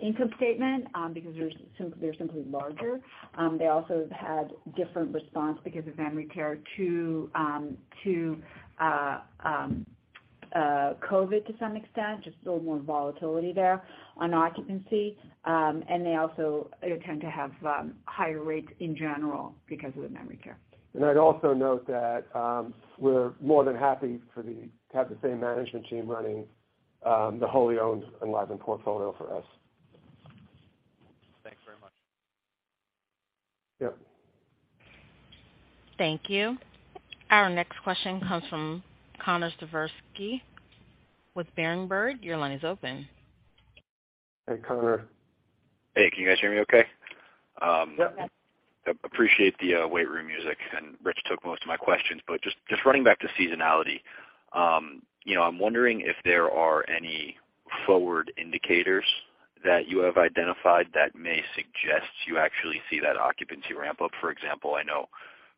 income statement because they're simply larger. They also have had different response because of memory care to COVID to some extent, just a little more volatility there on occupancy. They also tend to have higher rates in general because of the memory care. I'd also note that we're more than happy to have the same management team running the wholly owned Enlivant portfolio for us. Thanks very much. Yep. Thank you. Our next question comes from Connor Siversky with Berenberg. Your line is open. Hey, Connor. Hey, can you guys hear me okay? Yep. Appreciate the weight room music. Rich took most of my questions, but just running back to seasonality, you know, I'm wondering if there are any forward indicators that you have identified that may suggest you actually see that occupancy ramp up. For example, I know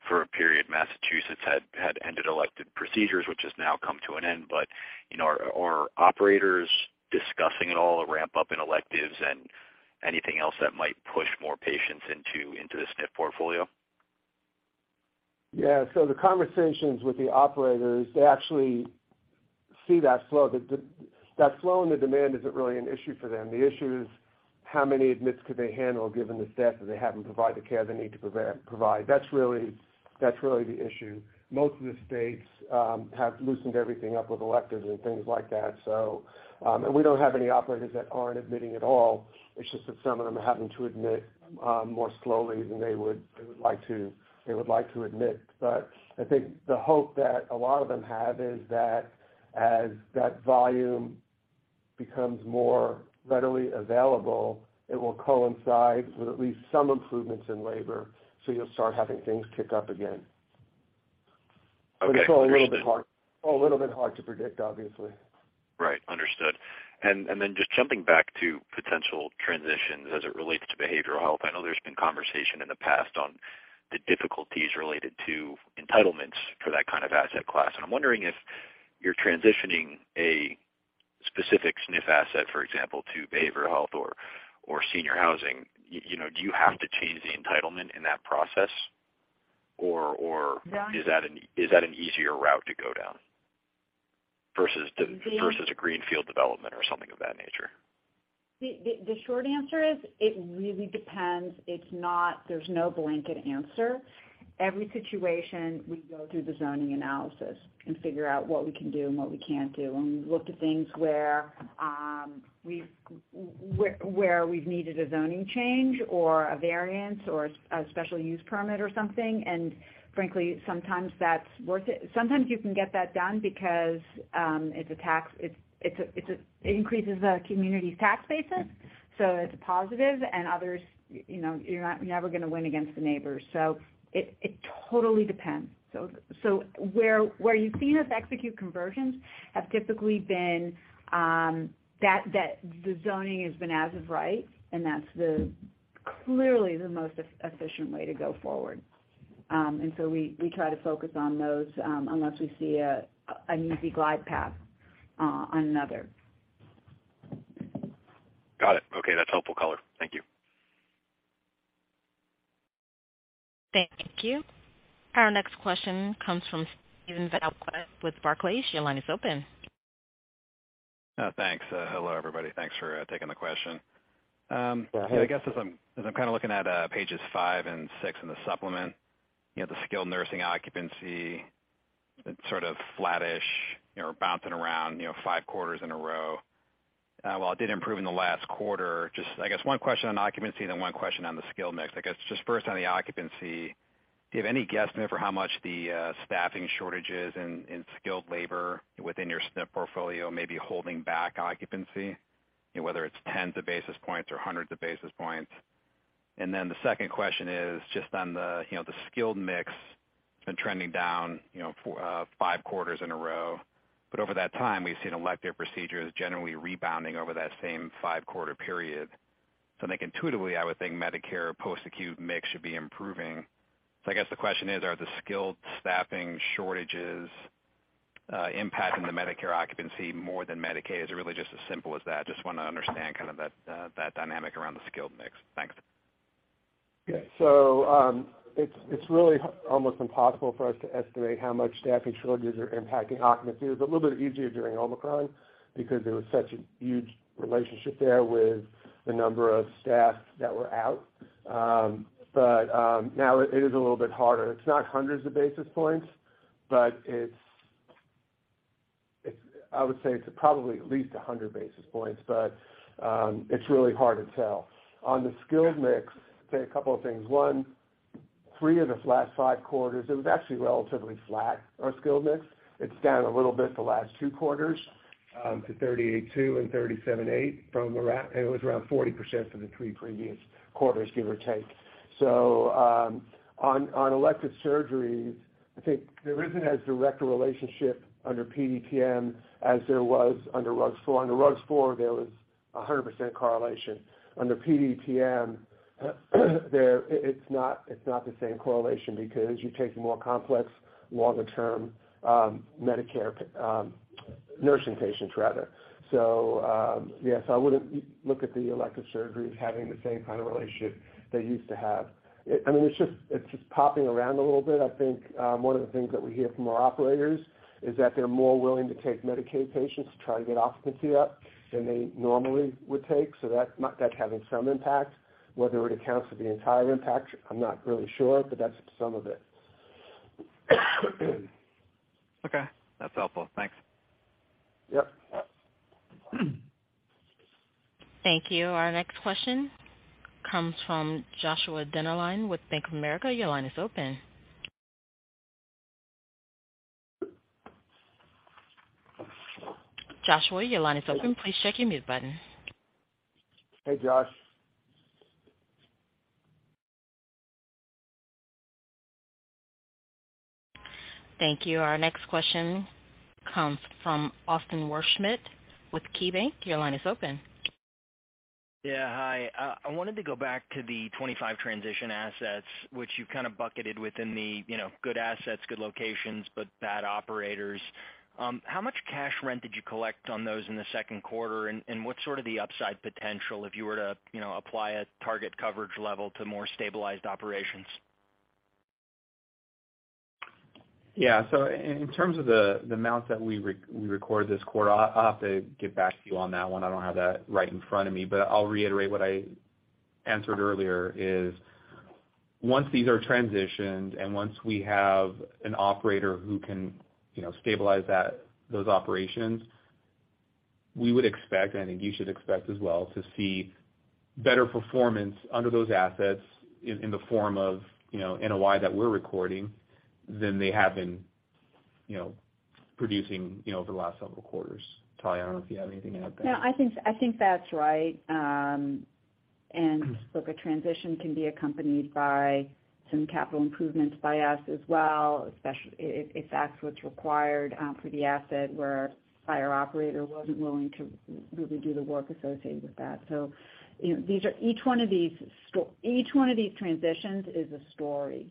for a period, Massachusetts had ended elective procedures, which has now come to an end. You know, are operators discussing at all a ramp up in electives and anything else that might push more patients into the SNF portfolio? Yeah. The conversations with the operators, they actually see that flow. That flow in the demand isn't really an issue for them. The issue is how many admits could they handle given the staff that they have and provide the care they need to provide. That's really the issue. Most of the states have loosened everything up with electives and things like that. We don't have any operators that aren't admitting at all. It's just that some of them are having to admit more slowly than they would like to admit. I think the hope that a lot of them have is that as that volume becomes more readily available, it will coincide with at least some improvements in labor, so you'll start having things kick up again. Okay. It's all a little bit hard to predict, obviously. Right. Understood. Just jumping back to potential transitions as it relates to behavioral health. I know there's been conversation in the past on the difficulties related to entitlements for that kind of asset class. I'm wondering if you're transitioning a specific SNF asset, for example, to behavioral health or senior housing, you know, do you have to change the entitlement in that process? Yeah. Is that an easier route to go down versus the? The- Versus a greenfield development or something of that nature? The short answer is it really depends. There's no blanket answer. Every situation, we go through the zoning analysis and figure out what we can do and what we can't do. We've looked at things where we've needed a zoning change or a variance or a special use permit or something. Frankly, sometimes that's worth it. Sometimes you can get that done because it's a tax. It increases the community's tax basis, so it's a positive. Others, you know, you're never gonna win against the neighbors. It totally depends. Where you've seen us execute conversions have typically been that the zoning has been as of right, and that's clearly the most efficient way to go forward. We try to focus on those, unless we see an easy glide path on another. Got it. Okay. That's helpful color. Thank you. Thank you. Our next question comes from Steven Valiquette with Barclays. Your line is open. Thanks. Hello, everybody. Thanks for taking the question. Go ahead. I guess, as I'm kind of looking at pages five and six in the supplement, you know, the skilled nursing occupancy, it's sort of flattish, you know, or bouncing around, you know, five quarters in a row. While it did improve in the last quarter, just I guess one question on occupancy, then one question on the skilled mix. I guess just first on the occupancy, do you have any guesstimate for how much the staffing shortages in skilled labor within your SNF portfolio may be holding back occupancy? You know, whether it's tens of basis points or hundreds of basis points. Then the second question is just on the, you know, the skilled mix. It's been trending down, you know, five quarters in a row. Over that time, we've seen elective procedures generally rebounding over that same five quarter period. I think intuitively, I would think Medicare post-acute mix should be improving. I guess the question is, are the skilled staffing shortages impacting the Medicare occupancy more than Medicaid? Is it really just as simple as that? Just wanna understand kind of that dynamic around the skilled mix. Thanks. Yeah. It's really almost impossible for us to estimate how much staffing shortages are impacting occupancy. It was a little bit easier during Omicron because there was such a huge relationship there with the number of staff that were out. Now it is a little bit harder. It's not hundreds of basis points, but it's I would say it's probably at least a hundred basis points, but it's really hard to tell. On the skilled mix, say a couple of things. One, three of the last five quarters, it was actually relatively flat, our skilled mix. It's down a little bit the last two quarters to 38.2% and 37.8% from around, it was around 40% for the three previous quarters, give or take. On elective surgeries, I think there isn't as direct a relationship under PDPM as there was under RUGS-IV. Under RUGS-IV, there was 100% correlation. Under PDPM, there it's not the same correlation because you're taking more complex, longer-term Medicare nursing patients rather. Yes, I wouldn't look at the elective surgeries having the same kind of relationship they used to have. I mean, it's just popping around a little bit. I think one of the things that we hear from our operators is that they're more willing to take Medicaid patients to try to get occupancy up than they normally would take. That might. That's having some impact. Whether it accounts for the entire impact, I'm not really sure, but that's some of it. Okay. That's helpful. Thanks. Yep. Thank you. Our next question comes from Joshua Dennerlein with Bank of America. Your line is open. Joshua, your line is open. Please check your mute button. Hey, Josh. Thank you. Our next question comes from Austin Wurschmidt with KeyBanc Capital Markets. Your line is open. Yeah, hi. I wanted to go back to the 25 transition assets, which you kind of bucketed within the, you know, good assets, good locations, but bad operators. How much cash rent did you collect on those in the second quarter? And what's sort of the upside potential if you were to, you know, apply a target coverage level to more stabilized operations? Yeah. In terms of the amounts that we recorded this quarter, I'll have to get back to you on that one. I don't have that right in front of me. But I'll reiterate what I answered earlier, is once these are transitioned and once we have an operator who can, you know, stabilize those operations, we would expect, and I think you should expect as well, to see better performance under those assets in the form of, you know, NOI that we're recording than they have been, you know, producing, you know, over the last several quarters. Talya, I don't know if you have anything to add there. No, I think that's right. Look, a transition can be accompanied by some capital improvements by us as well, if that's what's required, for the asset where our prior operator wasn't willing to really do the work associated with that. You know, each one of these transitions is a story.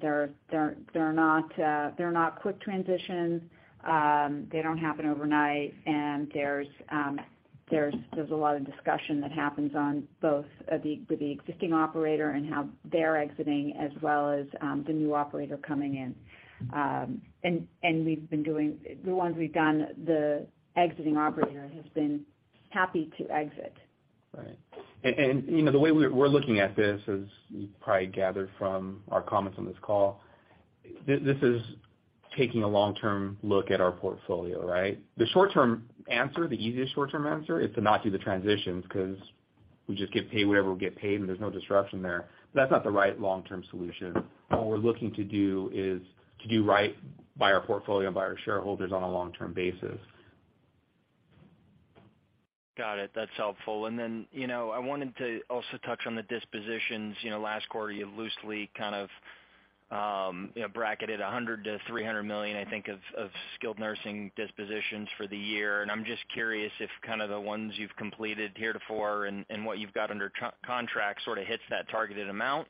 They're not quick transitions. They don't happen overnight. There's a lot of discussion that happens on both the existing operator and how they're exiting, as well as the new operator coming in. We've been doing the ones we've done, the exiting operator has been happy to exit. Right. You know, the way we're looking at this, as you probably gathered from our comments on this call, this is taking a long-term look at our portfolio, right? The short-term answer, the easiest short-term answer is to not do the transitions 'cause we just get paid whatever we get paid, and there's no disruption there. That's not the right long-term solution. What we're looking to do is to do right by our portfolio and by our shareholders on a long-term basis. Got it. That's helpful. You know, I wanted to also touch on the dispositions. You know, last quarter, you loosely kind of, you know, bracketed $100 million-$300 million, I think, of skilled nursing dispositions for the year. I'm just curious if kind of the ones you've completed heretofore and what you've got under contract sort of hits that targeted amount.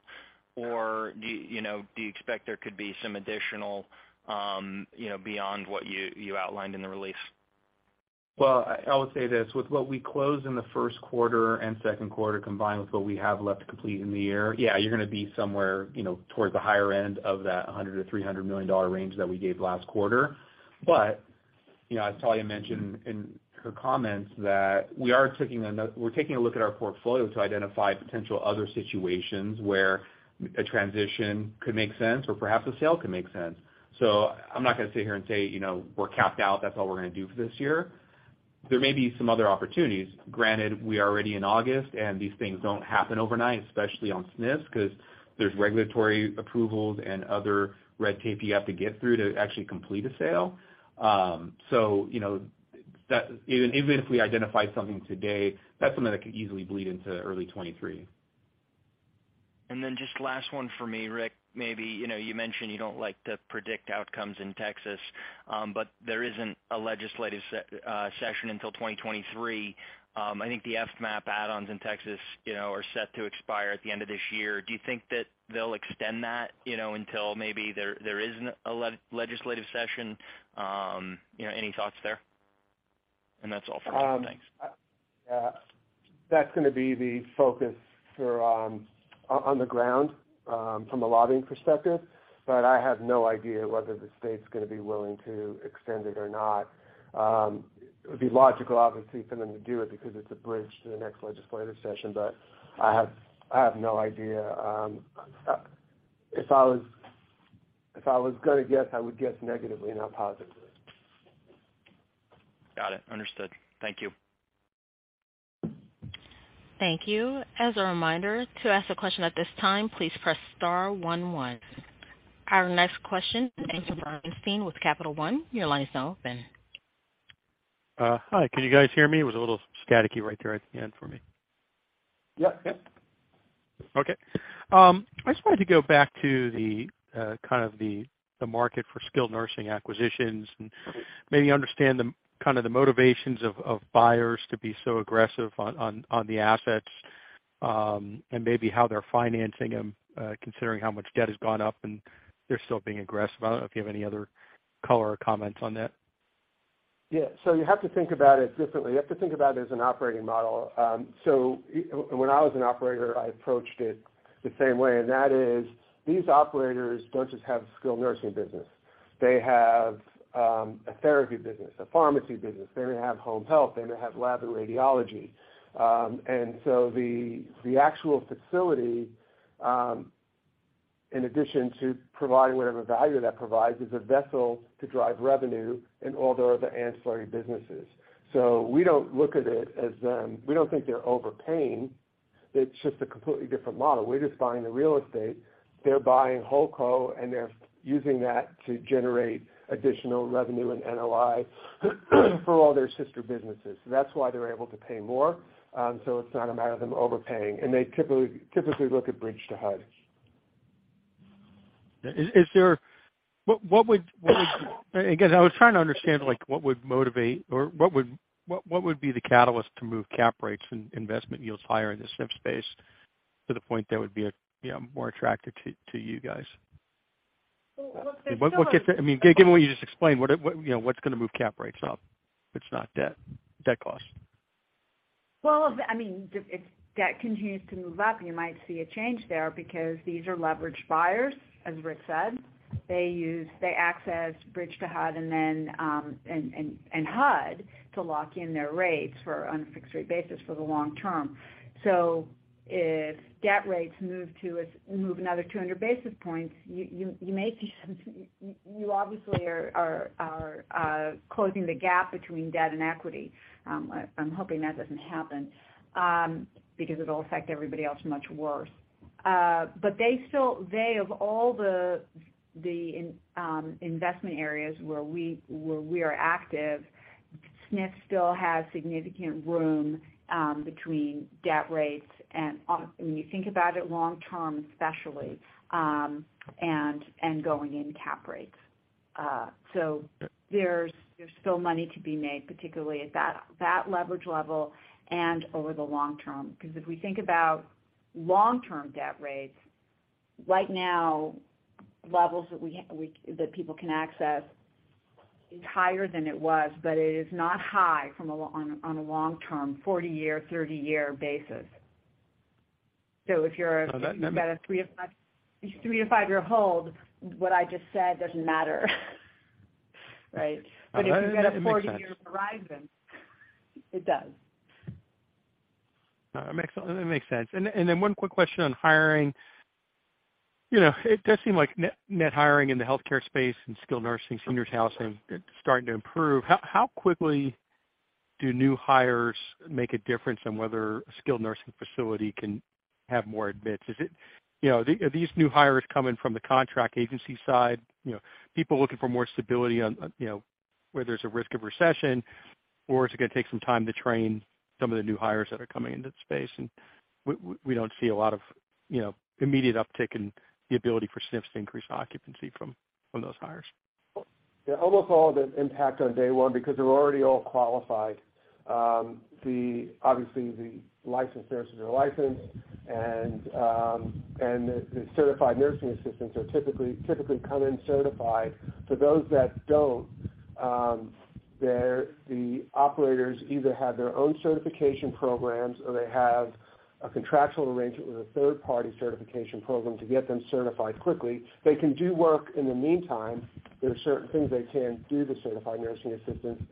Or do you know, do you expect there could be some additional, you know, beyond what you outlined in the release? Well, I would say this. With what we closed in the first quarter and second quarter, combined with what we have left to complete in the year, yeah, you're gonna be somewhere, you know, towards the higher end of that $100-$300 million range that we gave last quarter. You know, as Talya mentioned in her comments, that we are taking we're taking a look at our portfolio to identify potential other situations where a transition could make sense or perhaps a sale could make sense. I'm not gonna sit here and say, you know, we're capped out, that's all we're gonna do for this year. There may be some other opportunities. Granted, we are already in August, and these things don't happen overnight, especially on SNFs, 'cause there's regulatory approvals and other red tape you have to get through to actually complete a sale. You know, that even if we identified something today, that's something that could easily bleed into early 2023. Just last one for me, Rick. Maybe, you know, you mentioned you don't like to predict outcomes in Texas, but there isn't a legislative session until 2023. I think the FMAP add-ons in Texas, you know, are set to expire at the end of this year. Do you think that they'll extend that, you know, until maybe there is a legislative session? You know, any thoughts there? That's all for me. Thanks. That's gonna be the focus for on the ground from a lobbying perspective, but I have no idea whether the state's gonna be willing to extend it or not. It would be logical, obviously, for them to do it because it's a bridge to the next legislative session, but I have no idea. If I was gonna guess, I would guess negatively, not positively. Got it. Understood. Thank you. Thank you. As a reminder, to ask a question at this time, please press star one one. Our next question comes from Bernstein with Capital One. Your line is now open. Hi. Can you guys hear me? It was a little staticky right there at the end for me. Yeah. Yeah. Okay. I just wanted to go back to the kind of market for skilled nursing acquisitions and maybe understand the kind of motivations of buyers to be so aggressive on the assets, and maybe how they're financing them, considering how much debt has gone up and they're still being aggressive. I don't know if you have any other color or comments on that. Yeah. You have to think about it differently. You have to think about it as an operating model. When I was an operator, I approached it the same way, and that is these operators don't just have skilled nursing business. They have a therapy business, a pharmacy business. They may have home health. They may have lab and radiology. The actual facility, in addition to providing whatever value that provides, is a vessel to drive revenue in all the other ancillary businesses. We don't look at it as we don't think they're overpaying. It's just a completely different model. We're just buying the real estate. They're buying whole company, and they're using that to generate additional revenue and NOI for all their sister businesses. That's why they're able to pay more. It's not a matter of them overpaying, and they typically look at bridge to HUD. Again, I was trying to understand, like, what would motivate or what would be the catalyst to move cap rates and investment yields higher in the SNF space to the point that would be, you know, more attractive to you guys? Well, look, I mean, given what you just explained, what, you know, what's gonna move cap rates up if it's not debt costs? Well, I mean, if debt continues to move up, you might see a change there because these are leveraged buyers, as Rick said. They access bridge to HUD and then HUD to lock in their rates on a fixed rate basis for the long term. If debt rates move another 200 basis points, you may see some. You obviously are closing the gap between debt and equity. I'm hoping that doesn't happen because it'll affect everybody else much worse. They still of all the investment areas where we are active, SNF still has significant room between debt rates. When you think about it long term, especially, and going in cap rates. There's still money to be made, particularly at that leverage level and over the long term. Because if we think about long-term debt rates, right now, levels that people can access is higher than it was, but it is not high on a long-term 40-year, 30-year basis. If you're- Now, that number. If you've got a 3-5-year hold, what I just said doesn't matter. Right? No, that makes sense. If you've got a 40-year horizon, it does. No, it makes sense. Then one quick question on hiring. You know, it does seem like net hiring in the healthcare space and skilled nursing, senior housing is starting to improve. How quickly do new hires make a difference on whether a skilled nursing facility can have more admits? Is it, you know, are these new hires coming from the contract agency side, you know, people looking for more stability on, you know, where there's a risk of recession, or is it gonna take some time to train some of the new hires that are coming into the space, and we don't see a lot of, you know, immediate uptick in the ability for SNFs to increase occupancy from those hires? Yeah. Almost all of it impact on day one because they're already all qualified. Obviously, the licensed nurses are licensed, and the certified nursing assistants are typically come in certified. For those that don't, the operators either have their own certification programs, or they have a contractual arrangement with a third-party certification program to get them certified quickly. They can do work in the meantime. There are certain things they can do, the certified nursing assistants.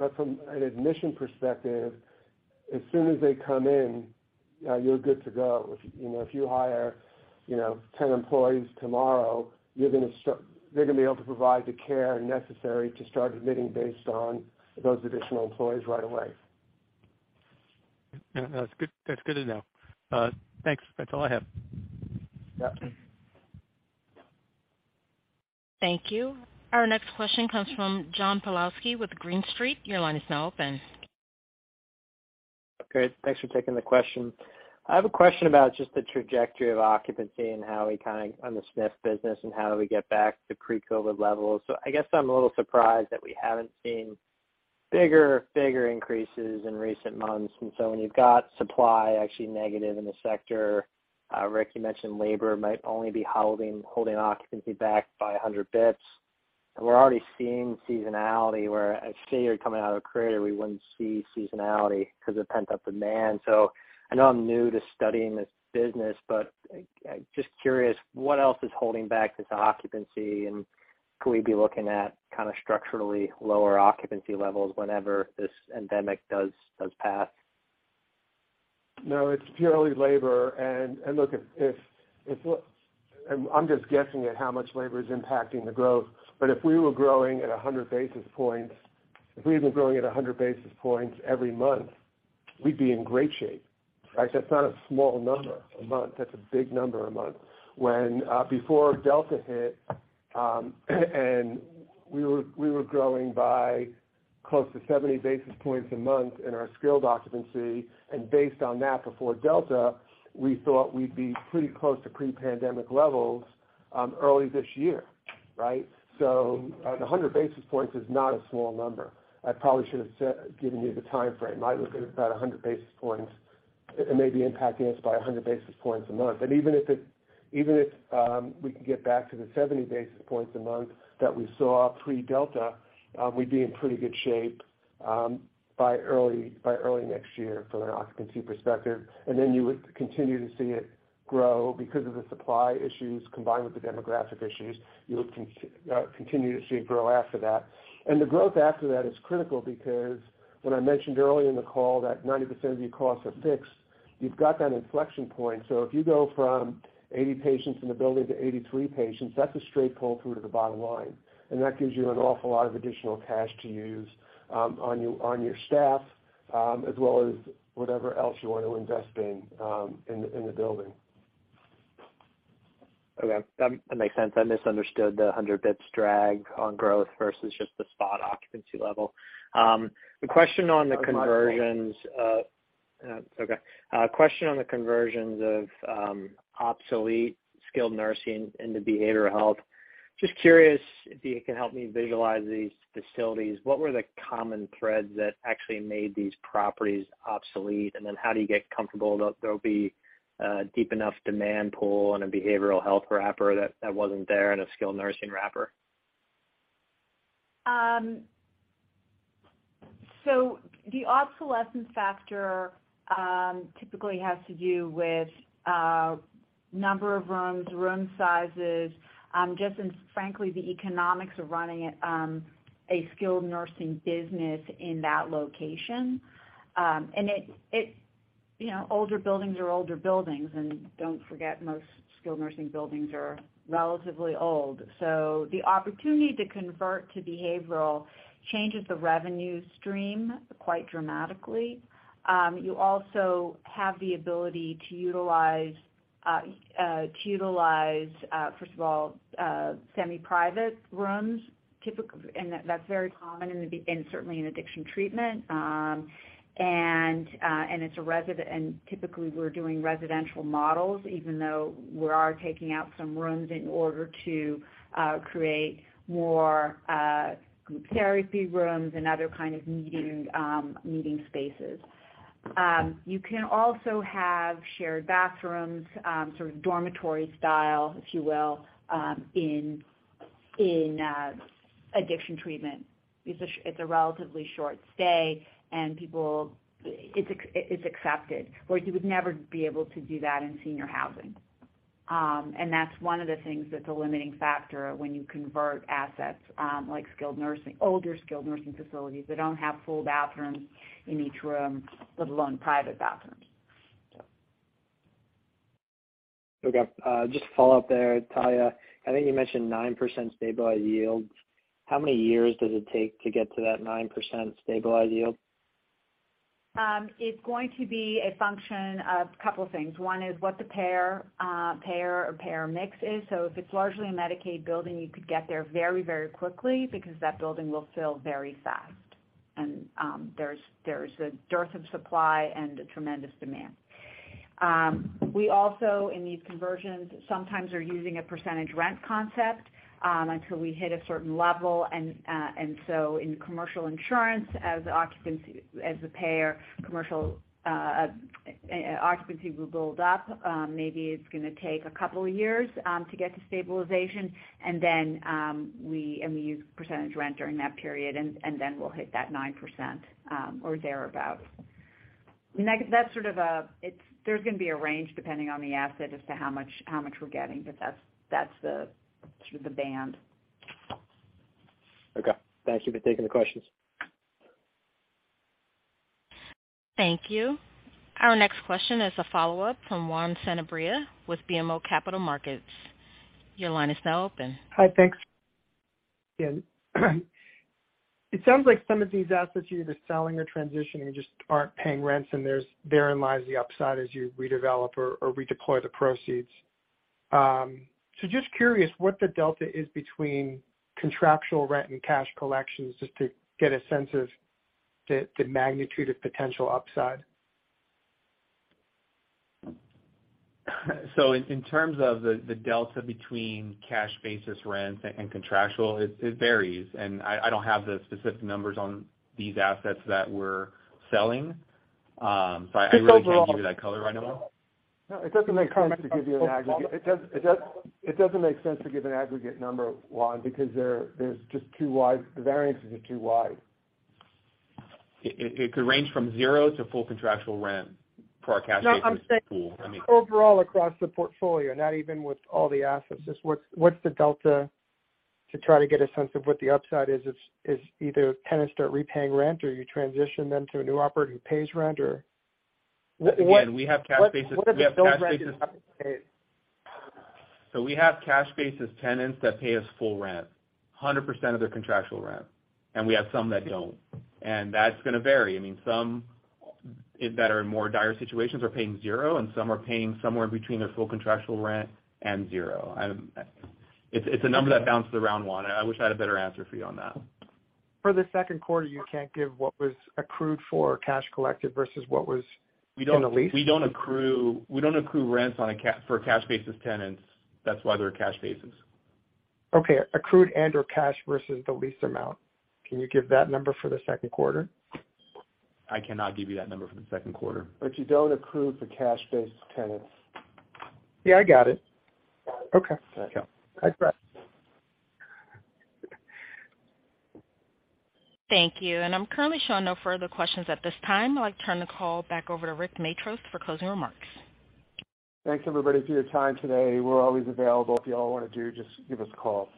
But from an admission perspective, as soon as they come in, you're good to go. You know, if you hire 10 employees tomorrow, they're gonna be able to provide the care necessary to start admitting based on those additional employees right away. That's good, that's good to know. Thanks. That's all I have. Yeah. Thank you. Our next question comes from John Pawlowski with Green Street. Your line is now open. Great. Thanks for taking the question. I have a question about just the trajectory of occupancy and how we kind of, on the SNF business, and how do we get back to pre-COVID levels. I guess I'm a little surprised that we haven't seen bigger increases in recent months. When you've got supply actually negative in the sector, Rick, you mentioned labor might only be holding occupancy back by 100 basis points. We're already seeing seasonality where I'd say you're coming out of a crater, we wouldn't see seasonality because of pent-up demand. I know I'm new to studying this business, but just curious, what else is holding back this occupancy? Could we be looking at kind of structurally lower occupancy levels whenever this endemic does pass? No, it's purely labor. Look, I'm just guessing at how much labor is impacting the growth. If we were growing at 100 basis points, if we had been growing at 100 basis points every month, we'd be in great shape, right? That's not a small number a month. That's a big number a month. When, before Delta hit, and we were growing by close to 70 basis points a month in our skilled occupancy, and based on that, before Delta, we thought we'd be pretty close to pre-pandemic levels early this year, right? The 100 basis points is not a small number. I probably should have said, given you the timeframe. I look at it about 100 basis points. It may be impacting us by 100 basis points a month. Even if we can get back to the 70 basis points a month that we saw pre-Delta, we'd be in pretty good shape by early next year from an occupancy perspective. Then you would continue to see it grow because of the supply issues combined with the demographic issues. You would continue to see it grow after that. The growth after that is critical because when I mentioned earlier in the call that 90% of your costs are fixed, you've got that inflection point. If you go from 80 patients in the building to 83 patients, that's a straight pull through to the bottom line. That gives you an awful lot of additional cash to use on your staff, as well as whatever else you want to invest in the building. Okay, that makes sense. I misunderstood the 100 basis points drag on growth versus just the spot occupancy level. A question on the conversions of obsolete skilled nursing into behavioral health. Just curious if you can help me visualize these facilities. What were the common threads that actually made these properties obsolete? Then how do you get comfortable that there'll be a deep enough demand pool in a behavioral health wrapper that wasn't there in a skilled nursing wrapper? The obsolescence factor typically has to do with number of rooms, room sizes, just in, frankly, the economics of running a skilled nursing business in that location. It, you know, older buildings are older buildings, and don't forget, most skilled nursing buildings are relatively old. The opportunity to convert to behavioral changes the revenue stream quite dramatically. You also have the ability to utilize, first of all, semi-private rooms typically, and that's very common in the, and certainly in addiction treatment. It's a residential, and typically we're doing residential models, even though we are taking out some rooms in order to create more group therapy rooms and other kind of meeting spaces. You can also have shared bathrooms, sort of dormitory style, if you will, in addiction treatment. It's a relatively short stay, and people, it's accepted, where you would never be able to do that in senior housing. That's one of the things that's a limiting factor when you convert assets, like skilled nursing, older skilled nursing facilities that don't have full bathrooms in each room, let alone private bathrooms. Okay. Just to follow up there, Talya, I think you mentioned 9% stabilized yield. How many years does it take to get to that 9% stabilized yield? It's going to be a function of couple things. One is what the payer mix is. If it's largely a Medicaid building, you could get there very, very quickly because that building will fill very fast. There's a dearth of supply and a tremendous demand. We also, in these conversions, sometimes are using a percentage rent concept until we hit a certain level. In commercial insurance, as the payer commercial occupancy will build up, maybe it's gonna take a couple of years to get to stabilization. We use percentage rent during that period, and then we'll hit that 9% or thereabout. That's sort of a. There's gonna be a range depending on the asset as to how much we're getting, but that's the sort of the band. Okay. Thank you for taking the questions. Thank you. Our next question is a follow-up from Juan Sanabria with BMO Capital Markets. Your line is now open. Hi. Thanks. Yeah. It sounds like some of these assets you're either selling or transitioning just aren't paying rents, and therein lies the upside as you redevelop or redeploy the proceeds. So just curious what the delta is between contractual rent and cash collections, just to get a sense of the magnitude of potential upside. In terms of the delta between cash basis rents and contractual, it varies. I don't have the specific numbers on these assets that we're selling. I really can't give you that color right now. No, it doesn't make sense to give you an aggregate. It doesn't make sense to give an aggregate number, Juan, because the variances are just too wide. It could range from zero to full contractual rent for our cash basis pool. I mean. No, I'm saying overall across the portfolio, not even with all the assets. Just what's the delta to try to get a sense of what the upside is either tenants start repaying rent or you transition them to a new operator who pays rent or what? Again, we have cash basis. What if the rent is not paid? We have cash basis tenants that pay us full rent, 100% of their contractual rent, and we have some that don't, and that's gonna vary. I mean, some that are in more dire situations are paying 0, and some are paying somewhere between their full contractual rent and 0. It's a number that bounces around, Juan, and I wish I had a better answer for you on that. For the second quarter, you can't give what was accrued for or cash collected versus what was in the lease? We don't accrue rents for cash basis tenants. That's why they're cash basis. Okay. Accrued and/or cash versus the lease amount. Can you give that number for the second quarter? I cannot give you that number for the second quarter. You don't accrue for cash basis tenants. Yeah, I got it. Okay. All right. Cool. Thanks, Brad. Thank you. I'm currently showing no further questions at this time. I'd like to turn the call back over to Rick Matros for closing remarks. Thanks, everybody, for your time today. We're always available. If y'all wanna do, just give us a call.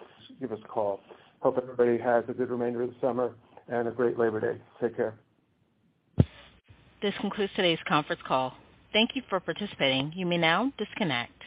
Hope everybody has a good remainder of the summer and a great Labor Day. Take care. This concludes today's conference call. Thank you for participating. You may now disconnect.